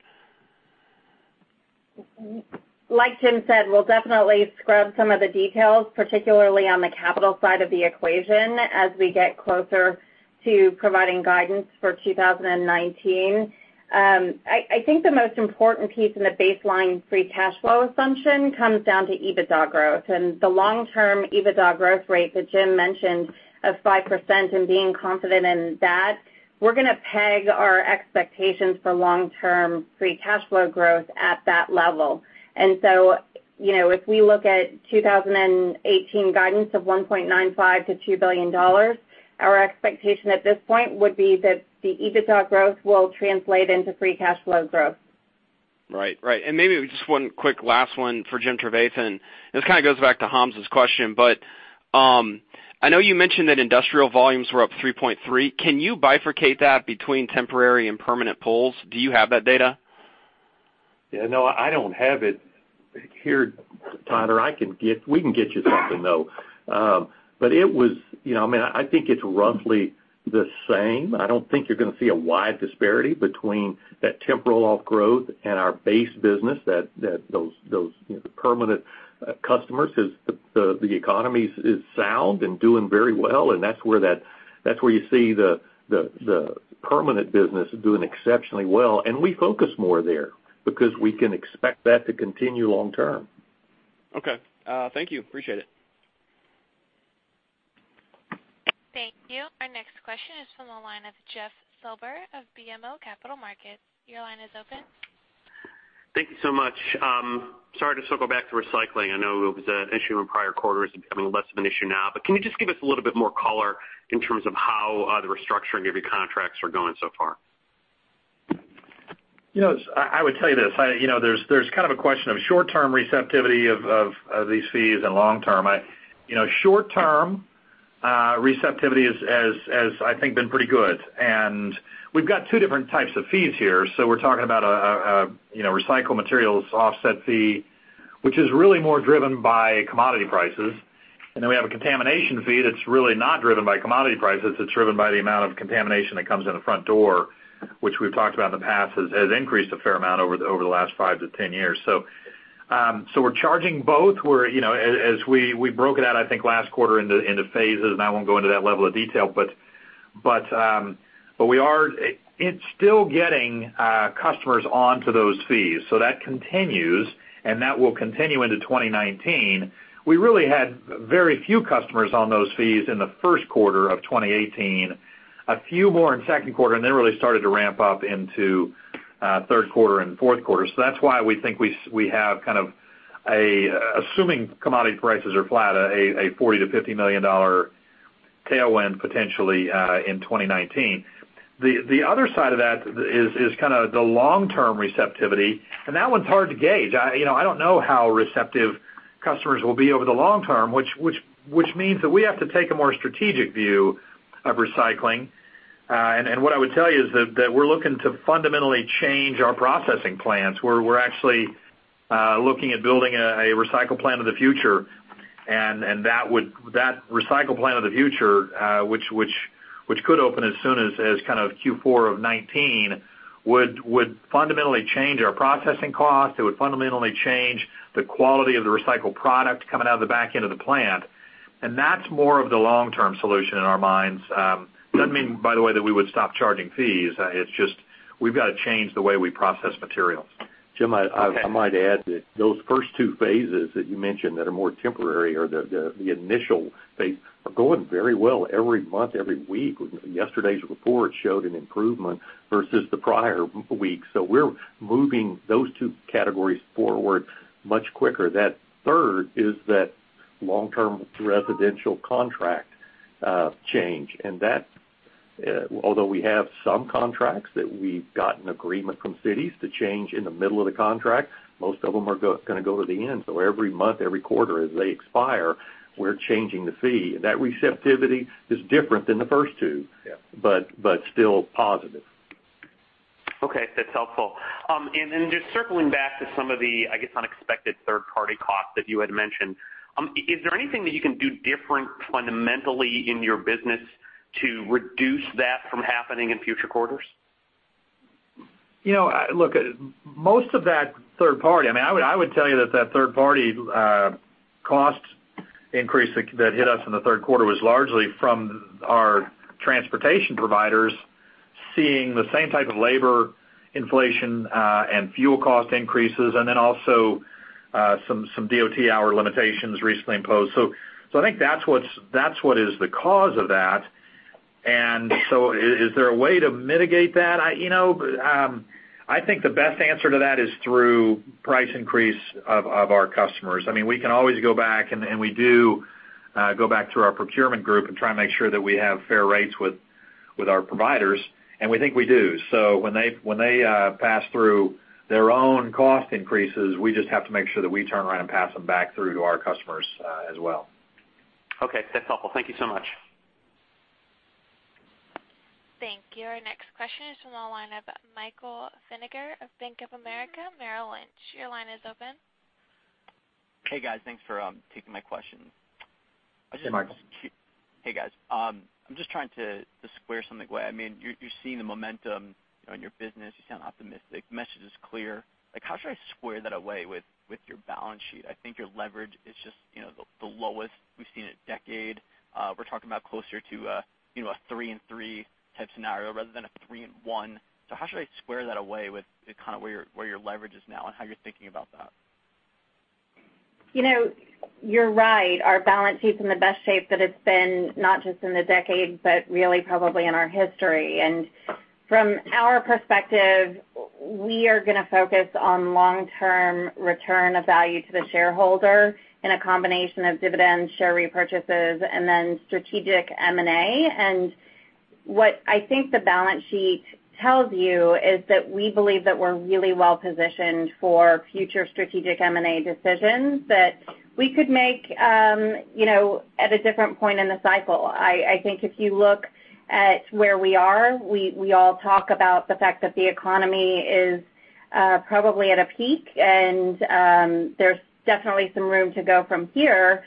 Like Jim said, we'll definitely scrub some of the details, particularly on the capital side of the equation, as we get closer to providing guidance for 2019. I think the most important piece in the baseline free cash flow assumption comes down to EBITDA growth. The long-term EBITDA growth rate that Jim mentioned of 5% and being confident in that, we're going to peg our expectations for long-term free cash flow growth at that level. If we look at 2018 guidance of $1.95 billion-$2 billion, our expectation at this point would be that the EBITDA growth will translate into free cash flow growth. Maybe just one quick last one for Jim Trevathan. This kind of goes back to Hamzah's question, but I know you mentioned that industrial volumes were up 3.3%. Can you bifurcate that between temporary and permanent pools? Do you have that data? No, I don't have it here, Tyler, we can get you something, though. I think it's roughly the same. I don't think you're going to see a wide disparity between that temporary growth and our base business that those permanent customers, the economy is sound and doing very well, and that's where you see the permanent business doing exceptionally well. We focus more there because we can expect that to continue long term. Okay. Thank you. Appreciate it. Thank you. Our next question is from the line of Jeff Silber of BMO Capital Markets. Your line is open. Thank you so much. Sorry, just going to go back to recycling. I know it was an issue in prior quarters and becoming less of an issue now, but can you just give us a little bit more color in terms of how the restructuring of your contracts are going so far? I would tell you this. There's kind of a question of short-term receptivity of these fees and long term. Short-term receptivity has, I think, been pretty good. We've got two different types of fees here. We're talking about a recycled materials offset fee, which is really more driven by commodity prices. Then we have a contamination fee that's really not driven by commodity prices. It's driven by the amount of contamination that comes in the front door, which we've talked about in the past, has increased a fair amount over the last five to 10 years. We're charging both. We broke it out, I think, last quarter into phases. I won't go into that level of detail, but it's still getting customers onto those fees. That continues, and that will continue into 2019. We really had very few customers on those fees in the first quarter of 2018, a few more in second quarter. Then really started to ramp up into third quarter and fourth quarter. That's why we think we have kind of a, assuming commodity prices are flat, a $40 million to $50 million tailwind potentially in 2019. The other side of that is the long-term receptivity. That one's hard to gauge. I don't know how receptive customers will be over the long term, which means that we have to take a more strategic view of recycling. What I would tell you is that we're looking to fundamentally change our processing plants, where we're actually looking at building a recycle plant of the future. That recycle plant of the future, which could open as soon as Q4 of 2019, would fundamentally change our processing cost. It would fundamentally change the quality of the recycled product coming out of the back end of the plant. That's more of the long-term solution in our minds. Doesn't mean, by the way, that we would stop charging fees. It's just, we've got to change the way we process materials. Jim, I might add that those first 2 phases that you mentioned that are more temporary or the initial phase are going very well every month, every week. Yesterday's report showed an improvement versus the prior week. We're moving those 2 categories forward much quicker. That third is that long-term residential contract change. Although we have some contracts that we've got an agreement from cities to change in the middle of the contract, most of them are going to go to the end. Every month, every quarter, as they expire, we're changing the fee. That receptivity is different than the first 2. Yeah. Still positive. Okay. That's helpful. Just circling back to some of the, I guess, unexpected third-party costs that you had mentioned. Is there anything that you can do different fundamentally in your business to reduce that from happening in future quarters? Look, most of that third-party, I would tell you that third-party cost increase that hit us in the third quarter was largely from our transportation providers seeing the same type of labor inflation and fuel cost increases, and then also some DOT hour limitations recently imposed. I think that's what is the cause of that. Is there a way to mitigate that? I think the best answer to that is through price increase of our customers. We can always go back, and we do go back to our procurement group and try and make sure that we have fair rates with our providers, and we think we do. When they pass through their own cost increases, we just have to make sure that we turn around and pass them back through to our customers as well. Okay. That's helpful. Thank you so much. Thank you. Our next question is from the line of Michael Feniger of Bank of America, Merrill Lynch. Your line is open. Hey, guys. Thanks for taking my question. Hey, Michael. Hey, guys. I'm just trying to square something away. You're seeing the momentum in your business. You sound optimistic. Message is clear. How should I square that away with your balance sheet? I think your leverage is just the lowest we've seen in a decade. We're talking about closer to a 3 and 3 type scenario rather than a 3 and 1. How should I square that away with kind of where your leverage is now and how you're thinking about that? You're right. Our balance sheet's in the best shape that it's been, not just in the decade, but really probably in our history. From our perspective, we are going to focus on long-term return of value to the shareholder in a combination of dividends, share repurchases, and then strategic M&A. What I think the balance sheet tells you is that we believe that we're really well-positioned for future strategic M&A decisions that we could make at a different point in the cycle. I think if you look at where we are, we all talk about the fact that the economy is probably at a peak, and there's definitely some room to go from here.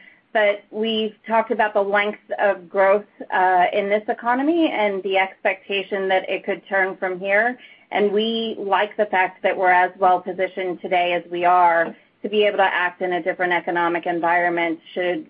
We've talked about the length of growth in this economy and the expectation that it could turn from here, and we like the fact that we're as well-positioned today as we are to be able to act in a different economic environment should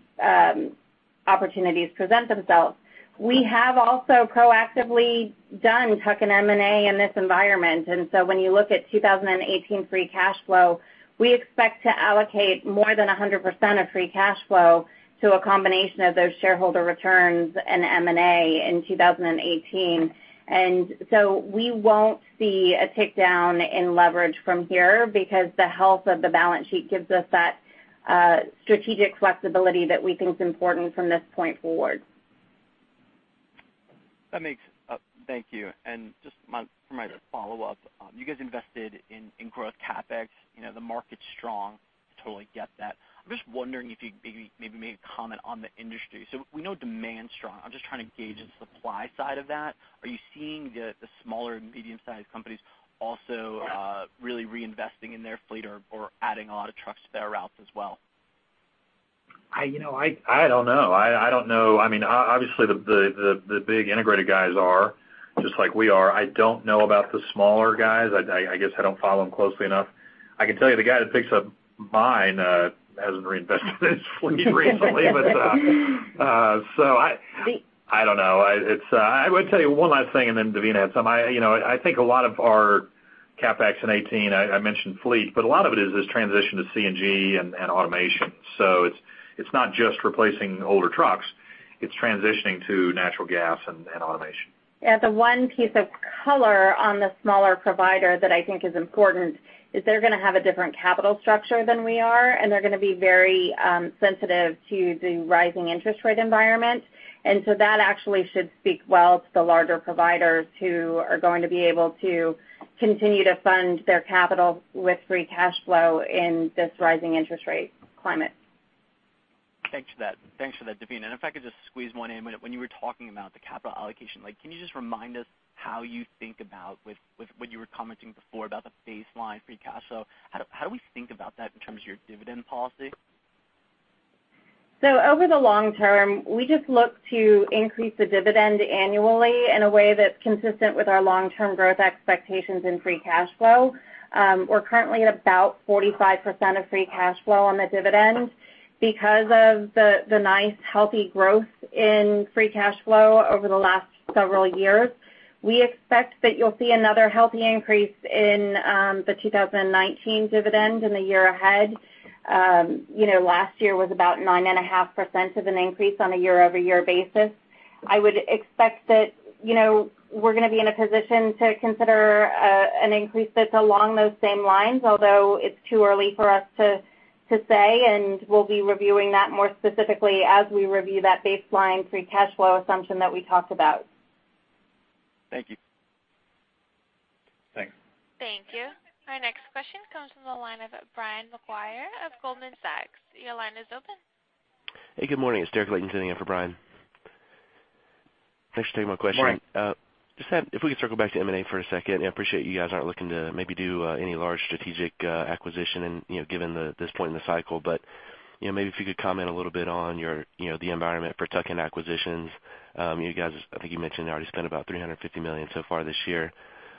opportunities present themselves. We have also proactively done tuck-in M&A in this environment. When you look at 2018 free cash flow, we expect to allocate more than 100% of free cash flow to a combination of those shareholder returns and M&A in 2018. We won't see a tick down in leverage from here because the health of the balance sheet gives us that strategic flexibility that we think is important from this point forward. Thank you. Just for my follow-up. You guys invested in growth CapEx. The market's strong. Totally get that. I'm just wondering if you maybe make a comment on the industry. We know demand is strong. I'm just trying to gauge the supply side of that. Are you seeing the smaller and medium-sized companies also really reinvesting in their fleet or adding a lot of trucks to their routes as well? I don't know. Obviously, the big integrated guys are, just like we are. I don't know about the smaller guys. I guess I don't follow them closely enough. I can tell you, the guy that picks up mine hasn't reinvested in his fleet recently. I don't know. I would tell you one last thing, Devina had some. I think a lot of our CapEx in 2018, I mentioned fleet, but a lot of it is this transition to CNG and automation. It's not just replacing older trucks, it's transitioning to natural gas and automation. Yeah. The one piece of color on the smaller provider that I think is important is they're going to have a different capital structure than we are, they're going to be very sensitive to the rising interest rate environment. That actually should speak well to the larger providers who are going to be able to continue to fund their capital with free cash flow in this rising interest rate climate. Thanks for that, Devina. If I could just squeeze one in. When you were talking about the capital allocation, can you just remind us how you think about when you were commenting before about the baseline free cash flow? How do we think about that in terms of your dividend policy? Over the long term, we just look to increase the dividend annually in a way that's consistent with our long-term growth expectations in free cash flow. We're currently at about 45% of free cash flow on the dividend because of the nice healthy growth in free cash flow over the last several years. We expect that you'll see another healthy increase in the 2019 dividend in the year ahead. Last year was about 9.5% of an increase on a year-over-year basis. I would expect that we're going to be in a position to consider an increase that's along those same lines, although it's too early for us to say, we'll be reviewing that more specifically as we review that baseline free cash flow assumption that we talked about. Thank you. Thanks. Thank you. Our next question comes from the line of Brian Maguire of Goldman Sachs. Your line is open. Hey, good morning. It's Derek Leighton sitting in for Brian. Thanks for taking my question. Morning. If we could circle back to M&A for a second. I appreciate you guys aren't looking to maybe do any large strategic acquisition given this point in the cycle. Maybe if you could comment a little bit on the environment for tuck-in acquisitions. You guys, I think you mentioned already spent about $350 million so far this year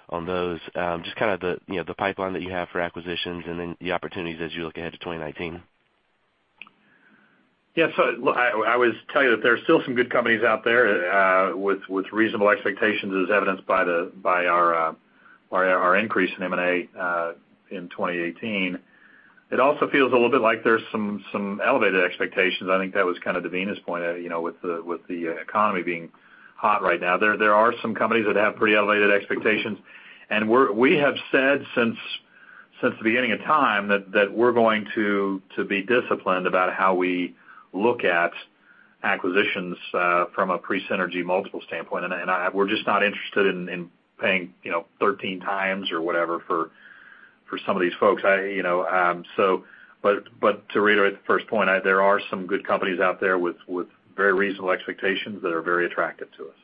on those. The pipeline that you have for acquisitions and then the opportunities as you look ahead to 2019. Yeah. Look, I always tell you that there are still some good companies out there with reasonable expectations as evidenced by our increase in M&A in 2018. It also feels a little bit like there's some elevated expectations. I think that was kind of Devina's point with the economy being hot right now. There are some companies that have pretty elevated expectations. We have said since the beginning of time that we're going to be disciplined about how we look at acquisitions from a pre-synergy multiple standpoint. We're just not interested in paying 13 times or whatever for some of these folks. To reiterate the first point, there are some good companies out there with very reasonable expectations that are very attractive to us.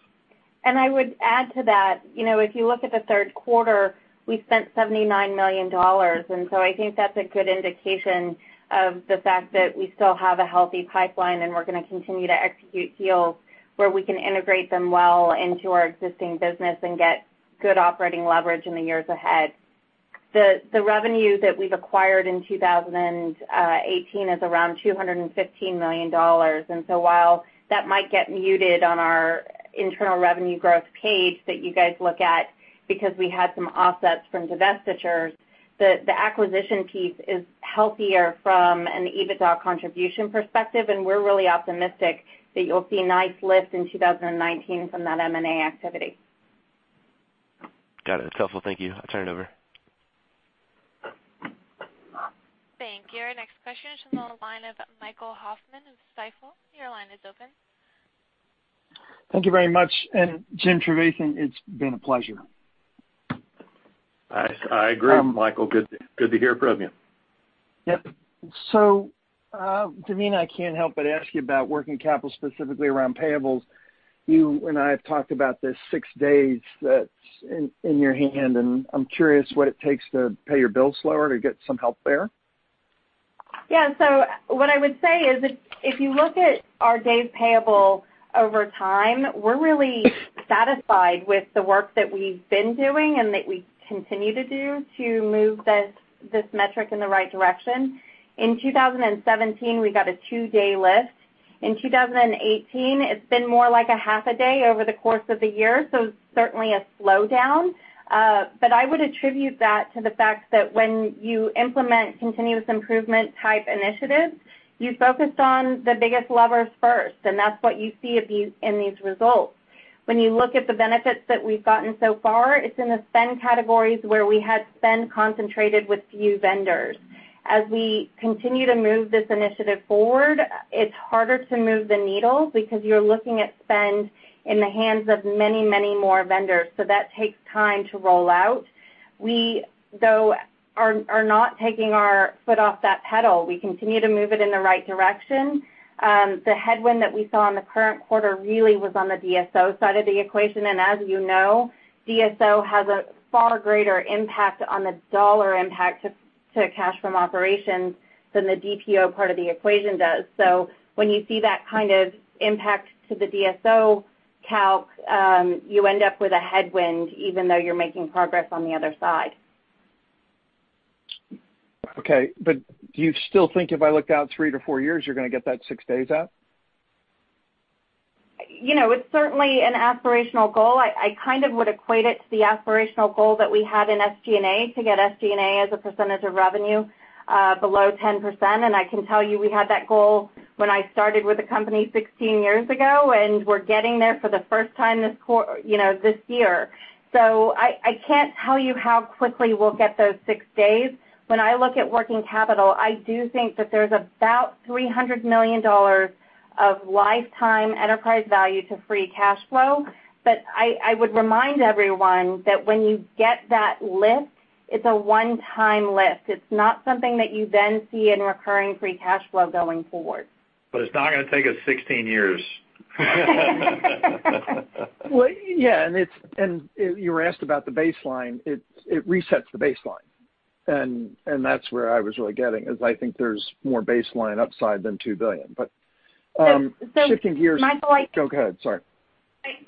I would add to that, if you look at the third quarter, we spent $79 million. I think that's a good indication of the fact that we still have a healthy pipeline, and we're going to continue to execute deals where we can integrate them well into our existing business and get good operating leverage in the years ahead. The revenue that we've acquired in 2018 is around $215 million. While that might get muted on our internal revenue growth page that you guys look at because we had some offsets from divestitures, the acquisition piece is healthier from an EBITDA contribution perspective, and we're really optimistic that you'll see a nice lift in 2019 from that M&A activity. Got it. That's helpful. Thank you. I turn it over. Thank you. Our next question is from the line of Michael Hoffman of Stifel. Your line is open. Thank you very much. Jim Trevathan, it's been a pleasure. I agree, Michael. Good to hear from you. Yep. Devina, I can't help but ask you about working capital specifically around payables. You and I have talked about this six days that's in your hand, and I'm curious what it takes to pay your bills slower to get some help there. Yeah. What I would say is if you look at our days payable over time, we're really satisfied with the work that we've been doing and that we continue to do to move this metric in the right direction. In 2017, we got a two-day lift. In 2018, it's been more like a half a day over the course of the year, certainly a slowdown. I would attribute that to the fact that when you implement continuous improvement type initiatives, you focused on the biggest levers first, and that's what you see in these results. When you look at the benefits that we've gotten so far, it's in the spend categories where we had spend concentrated with few vendors. As we continue to move this initiative forward, it's harder to move the needle because you're looking at spend in the hands of many more vendors. That takes time to roll out. We, though, are not taking our foot off that pedal. We continue to move it in the right direction. The headwind that we saw in the current quarter really was on the DSO side of the equation. As you know, DSO has a far greater impact on the $ impact to cash from operations than the DPO part of the equation does. When you see that kind of impact to the DSO calc, you end up with a headwind even though you're making progress on the other side. Okay. Do you still think if I looked out three to four years, you're going to get that six days out? It's certainly an aspirational goal. I kind of would equate it to the aspirational goal that we had in SG&A to get SG&A as a percentage of revenue below 10%. I can tell you we had that goal when I started with the company 16 years ago, and we're getting there for the first time this year. I can't tell you how quickly we'll get those six days. When I look at working capital, I do think that there's about $300 million of lifetime enterprise value to free cash flow. I would remind everyone that when you get that lift, it's a one-time lift. It's not something that you then see in recurring free cash flow going forward. It's not going to take us 16 years. Well, yeah. You were asked about the baseline. It resets the baseline, and that's where I was really getting, is I think there's more baseline upside than $2 billion. So- Shifting gears. Michael, Go ahead. Sorry.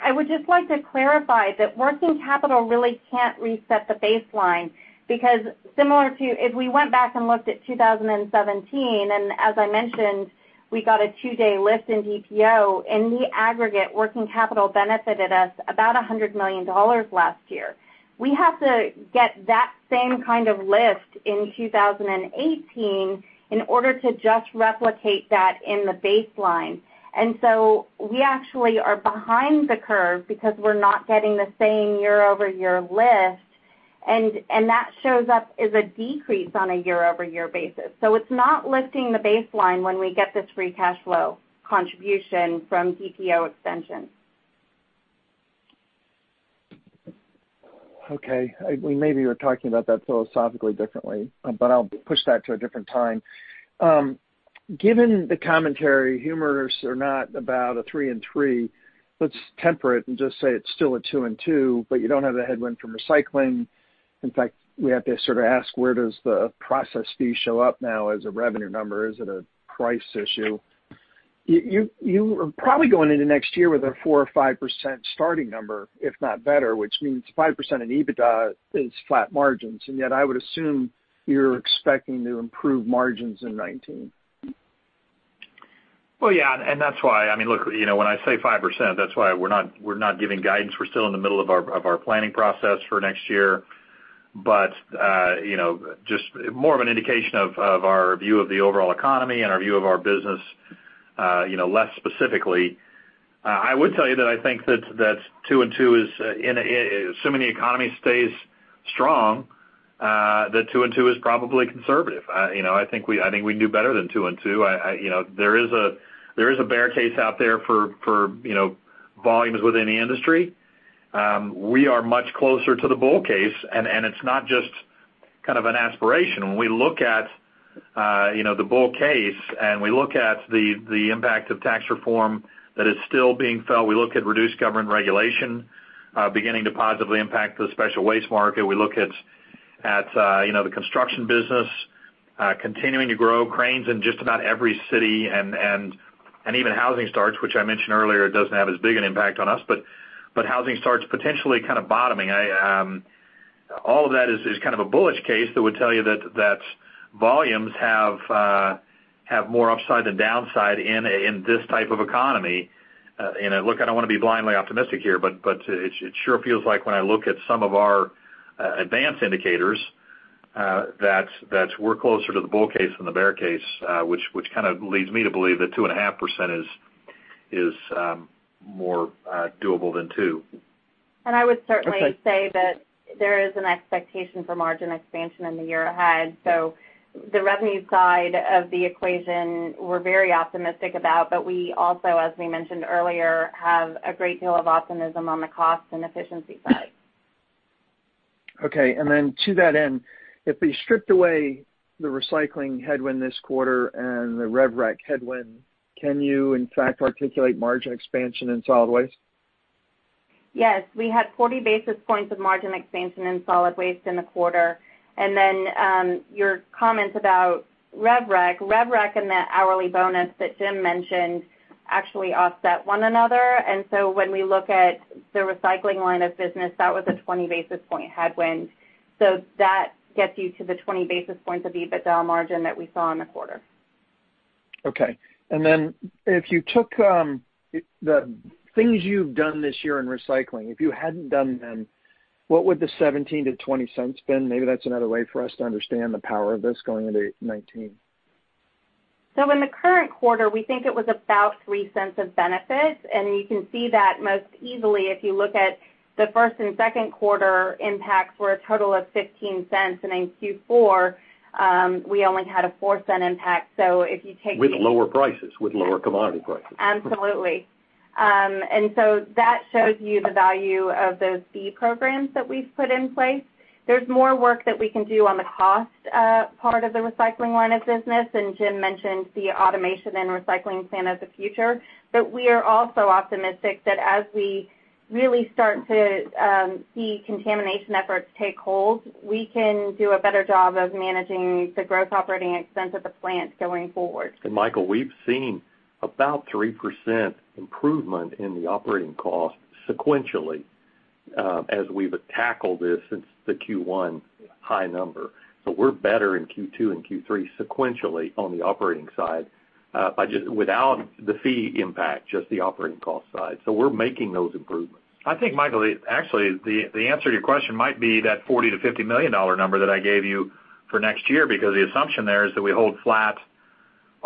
I would just like to clarify that working capital really can't reset the baseline, because similar to if we went back and looked at 2017, and as I mentioned, we got a two-day lift in DPO. In the aggregate, working capital benefited us about $100 million last year. We have to get that same kind of lift in 2018 in order to just replicate that in the baseline. We actually are behind the curve because we're not getting the same year-over-year lift, and that shows up as a decrease on a year-over-year basis. It's not lifting the baseline when we get this free cash flow contribution from DPO extension. Okay. Maybe we're talking about that philosophically differently, but I'll push that to a different time. Given the commentary, humorous or not, about a three in three, let's temper it and just say it's still a two in two, but you don't have the headwind from recycling. In fact, we have to sort of ask, where does the process fee show up now as a revenue number? Is it a price issue? You are probably going into next year with a 4% or 5% starting number, if not better, which means 5% in EBITDA is flat margins, and yet I would assume you're expecting to improve margins in 2019. Well, yeah, that's why Look, when I say 5%, that's why we're not giving guidance. We're still in the middle of our planning process for next year. Just more of an indication of our view of the overall economy and our view of our business, less specifically. I would tell you that I think that assuming the economy stays strong, that two in two is probably conservative. I think we can do better than two in two. There is a bear case out there for volumes within the industry. We are much closer to the bull case, and it's not just an aspiration. When we look at the bull case and we look at the impact of tax reform that is still being felt, we look at reduced government regulation beginning to positively impact the special waste market. We look at the construction business continuing to grow, cranes in just about every city, even housing starts, which I mentioned earlier, doesn't have as big an impact on us, but housing starts potentially kind of bottoming. All of that is kind of a bullish case that would tell you that volumes have more upside than downside in this type of economy. Look, I don't want to be blindly optimistic here, but it sure feels like when I look at some of our advanced indicators, that we're closer to the bull case than the bear case which kind of leads me to believe that 2.5% is more doable than two. I would certainly say that there is an expectation for margin expansion in the year ahead. The revenue side of the equation we're very optimistic about. We also, as we mentioned earlier, have a great deal of optimism on the cost and efficiency side. Okay. To that end, if we stripped away the recycling headwind this quarter and the rev-rec headwind, can you in fact articulate margin expansion in solid waste? Yes. We had 40 basis points of margin expansion in solid waste in the quarter. Your comments about rev-rec. Rev-rec and that hourly bonus that Jim mentioned actually offset one another. When we look at the recycling line of business, that was a 20-basis point headwind. That gets you to the 20 basis points of EBITDA margin that we saw in the quarter. Okay. If you took the things you've done this year in recycling, if you hadn't done them, what would the $0.17-$0.20 been? Maybe that's another way for us to understand the power of this going into 2019. In the current quarter, we think it was about $0.03 of benefit. You can see that most easily if you look at the first and second quarter impacts were a total of $0.15, and in Q4, we only had a $0.04 impact. If you take With lower prices, with lower commodity prices. Absolutely. That shows you the value of those fee programs that we've put in place. There's more work that we can do on the cost part of the recycling line of business, and Jim mentioned the automation and recycling plan of the future. We are also optimistic that as we really start to see contamination efforts take hold, we can do a better job of managing the gross operating expense of the plants going forward. And Michael, we've seen about 3% improvement in the operating cost sequentially, as we've tackled this since the Q1 high number. We're better in Q2 and Q3 sequentially on the operating side, without the fee impact, just the operating cost side. We're making those improvements. I think, Michael, actually, the answer to your question might be that $40 million-$50 million number that I gave you for next year, because the assumption there is that we hold flat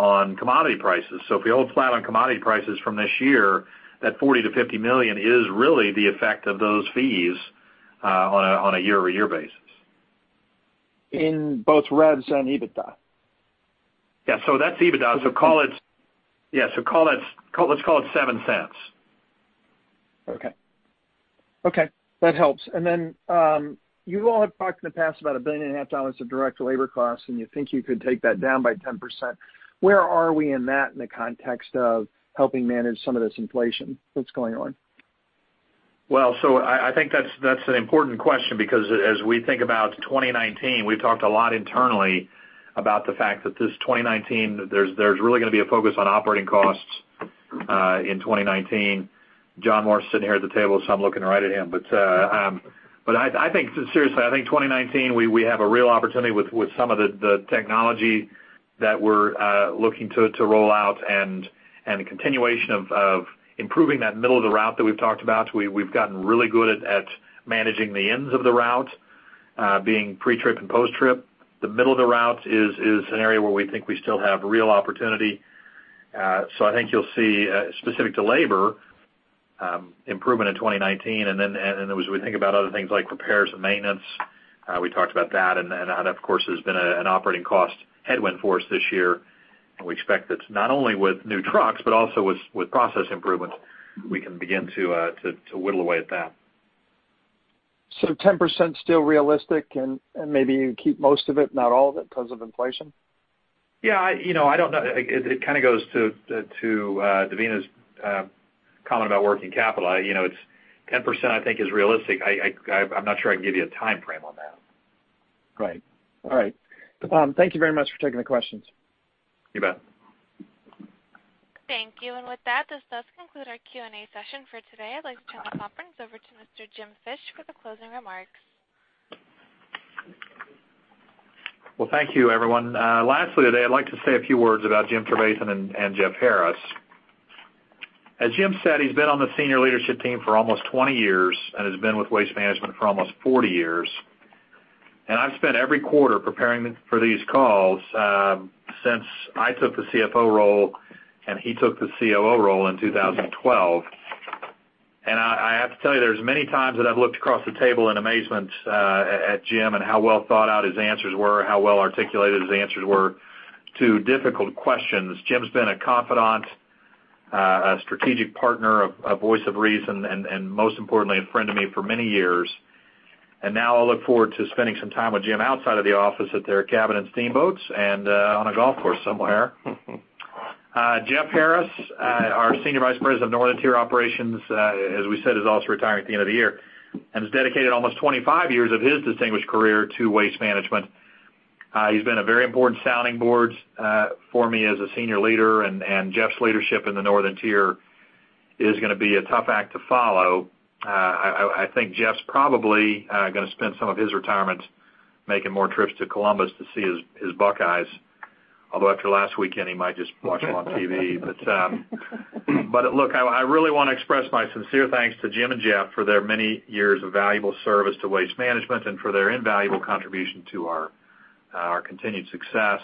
on commodity prices. If we hold flat on commodity prices from this year, that $40 million-$50 million is really the effect of those fees on a year-over-year base. In both revs and EBITDA? Yeah. That's EBITDA, let's call it $0.07. Okay. That helps. You all have talked in the past about $1.5 billion of direct labor costs, and you think you could take that down by 10%. Where are we in that in the context of helping manage some of this inflation that's going on? I think that's an important question because as we think about 2019, we've talked a lot internally about the fact that this 2019, there's really going to be a focus on operating costs in 2019. John Morris sitting here at the table, I'm looking right at him. Seriously, I think 2019, we have a real opportunity with some of the technology that we're looking to roll out and the continuation of improving that middle of the route that we've talked about. We've gotten really good at managing the ends of the route, being pre-trip and post-trip. The middle of the route is an area where we think we still have real opportunity. I think you'll see, specific to labor, improvement in 2019. As we think about other things like repairs and maintenance, we talked about that, and that, of course, has been an operating cost headwind for us this year. We expect that not only with new trucks but also with process improvements, we can begin to whittle away at that. 10% still realistic and maybe you keep most of it, not all of it, because of inflation? Yeah. I don't know. It goes to Devina's comment about working capital. 10%, I think, is realistic. I'm not sure I can give you a timeframe on that. Right. All right. Thank you very much for taking the questions. You bet. Thank you. With that, this does conclude our Q&A session for today. I'd like to turn the conference over to Mr. Jim Fish for the closing remarks. Well, thank you, everyone. Lastly, today, I'd like to say a few words about Jim Trevathan and Jeff Harris. As Jim said, he's been on the senior leadership team for almost 20 years and has been with Waste Management for almost 40 years. I've spent every quarter preparing for these calls since I took the CFO role, and he took the COO role in 2012. I have to tell you, there's many times that I've looked across the table in amazement at Jim and how well thought out his answers were, how well articulated his answers were to difficult questions. Jim's been a confidant, a strategic partner, a voice of reason, and most importantly, a friend to me for many years. Now I look forward to spending some time with Jim outside of the office at their cabin in Steamboat and on a golf course somewhere. Jeff Harris, our Senior Vice President of Northern Tier Operations, as we said, is also retiring at the end of the year and has dedicated almost 25 years of his distinguished career to Waste Management. He's been a very important sounding board for me as a senior leader, Jeff's leadership in the Northern Tier is going to be a tough act to follow. I think Jeff's probably going to spend some of his retirement making more trips to Columbus to see his Buckeyes. Although after last weekend, he might just watch them on TV. Look, I really want to express my sincere thanks to Jim and Jeff for their many years of valuable service to Waste Management and for their invaluable contribution to our continued success.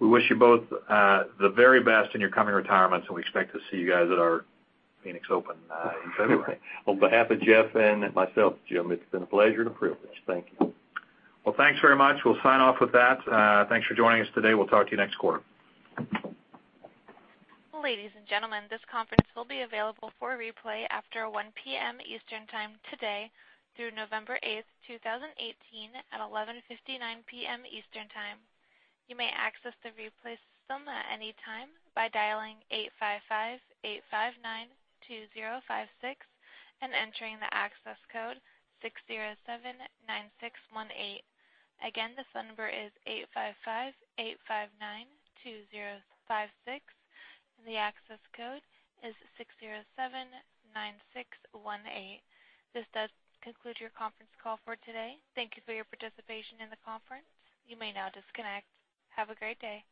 We wish you both the very best in your coming retirements, we expect to see you guys at our Phoenix Open in February. On behalf of Jeff and myself, Jim, it's been a pleasure and a privilege. Thank you. Thanks very much. We'll sign off with that. Thanks for joining us today. We'll talk to you next quarter. Ladies and gentlemen, this conference will be available for replay after 1:00 P.M. Eastern time today through November 8th, 2018, at 11:59 P.M. Eastern time. You may access the replay system at any time by dialing 855-859-2056 and entering the access code 6079618. Again, the phone number is 855-859-2056 and the access code is 6079618. This does conclude your conference call for today. Thank you for your participation in the conference. You may now disconnect. Have a great day.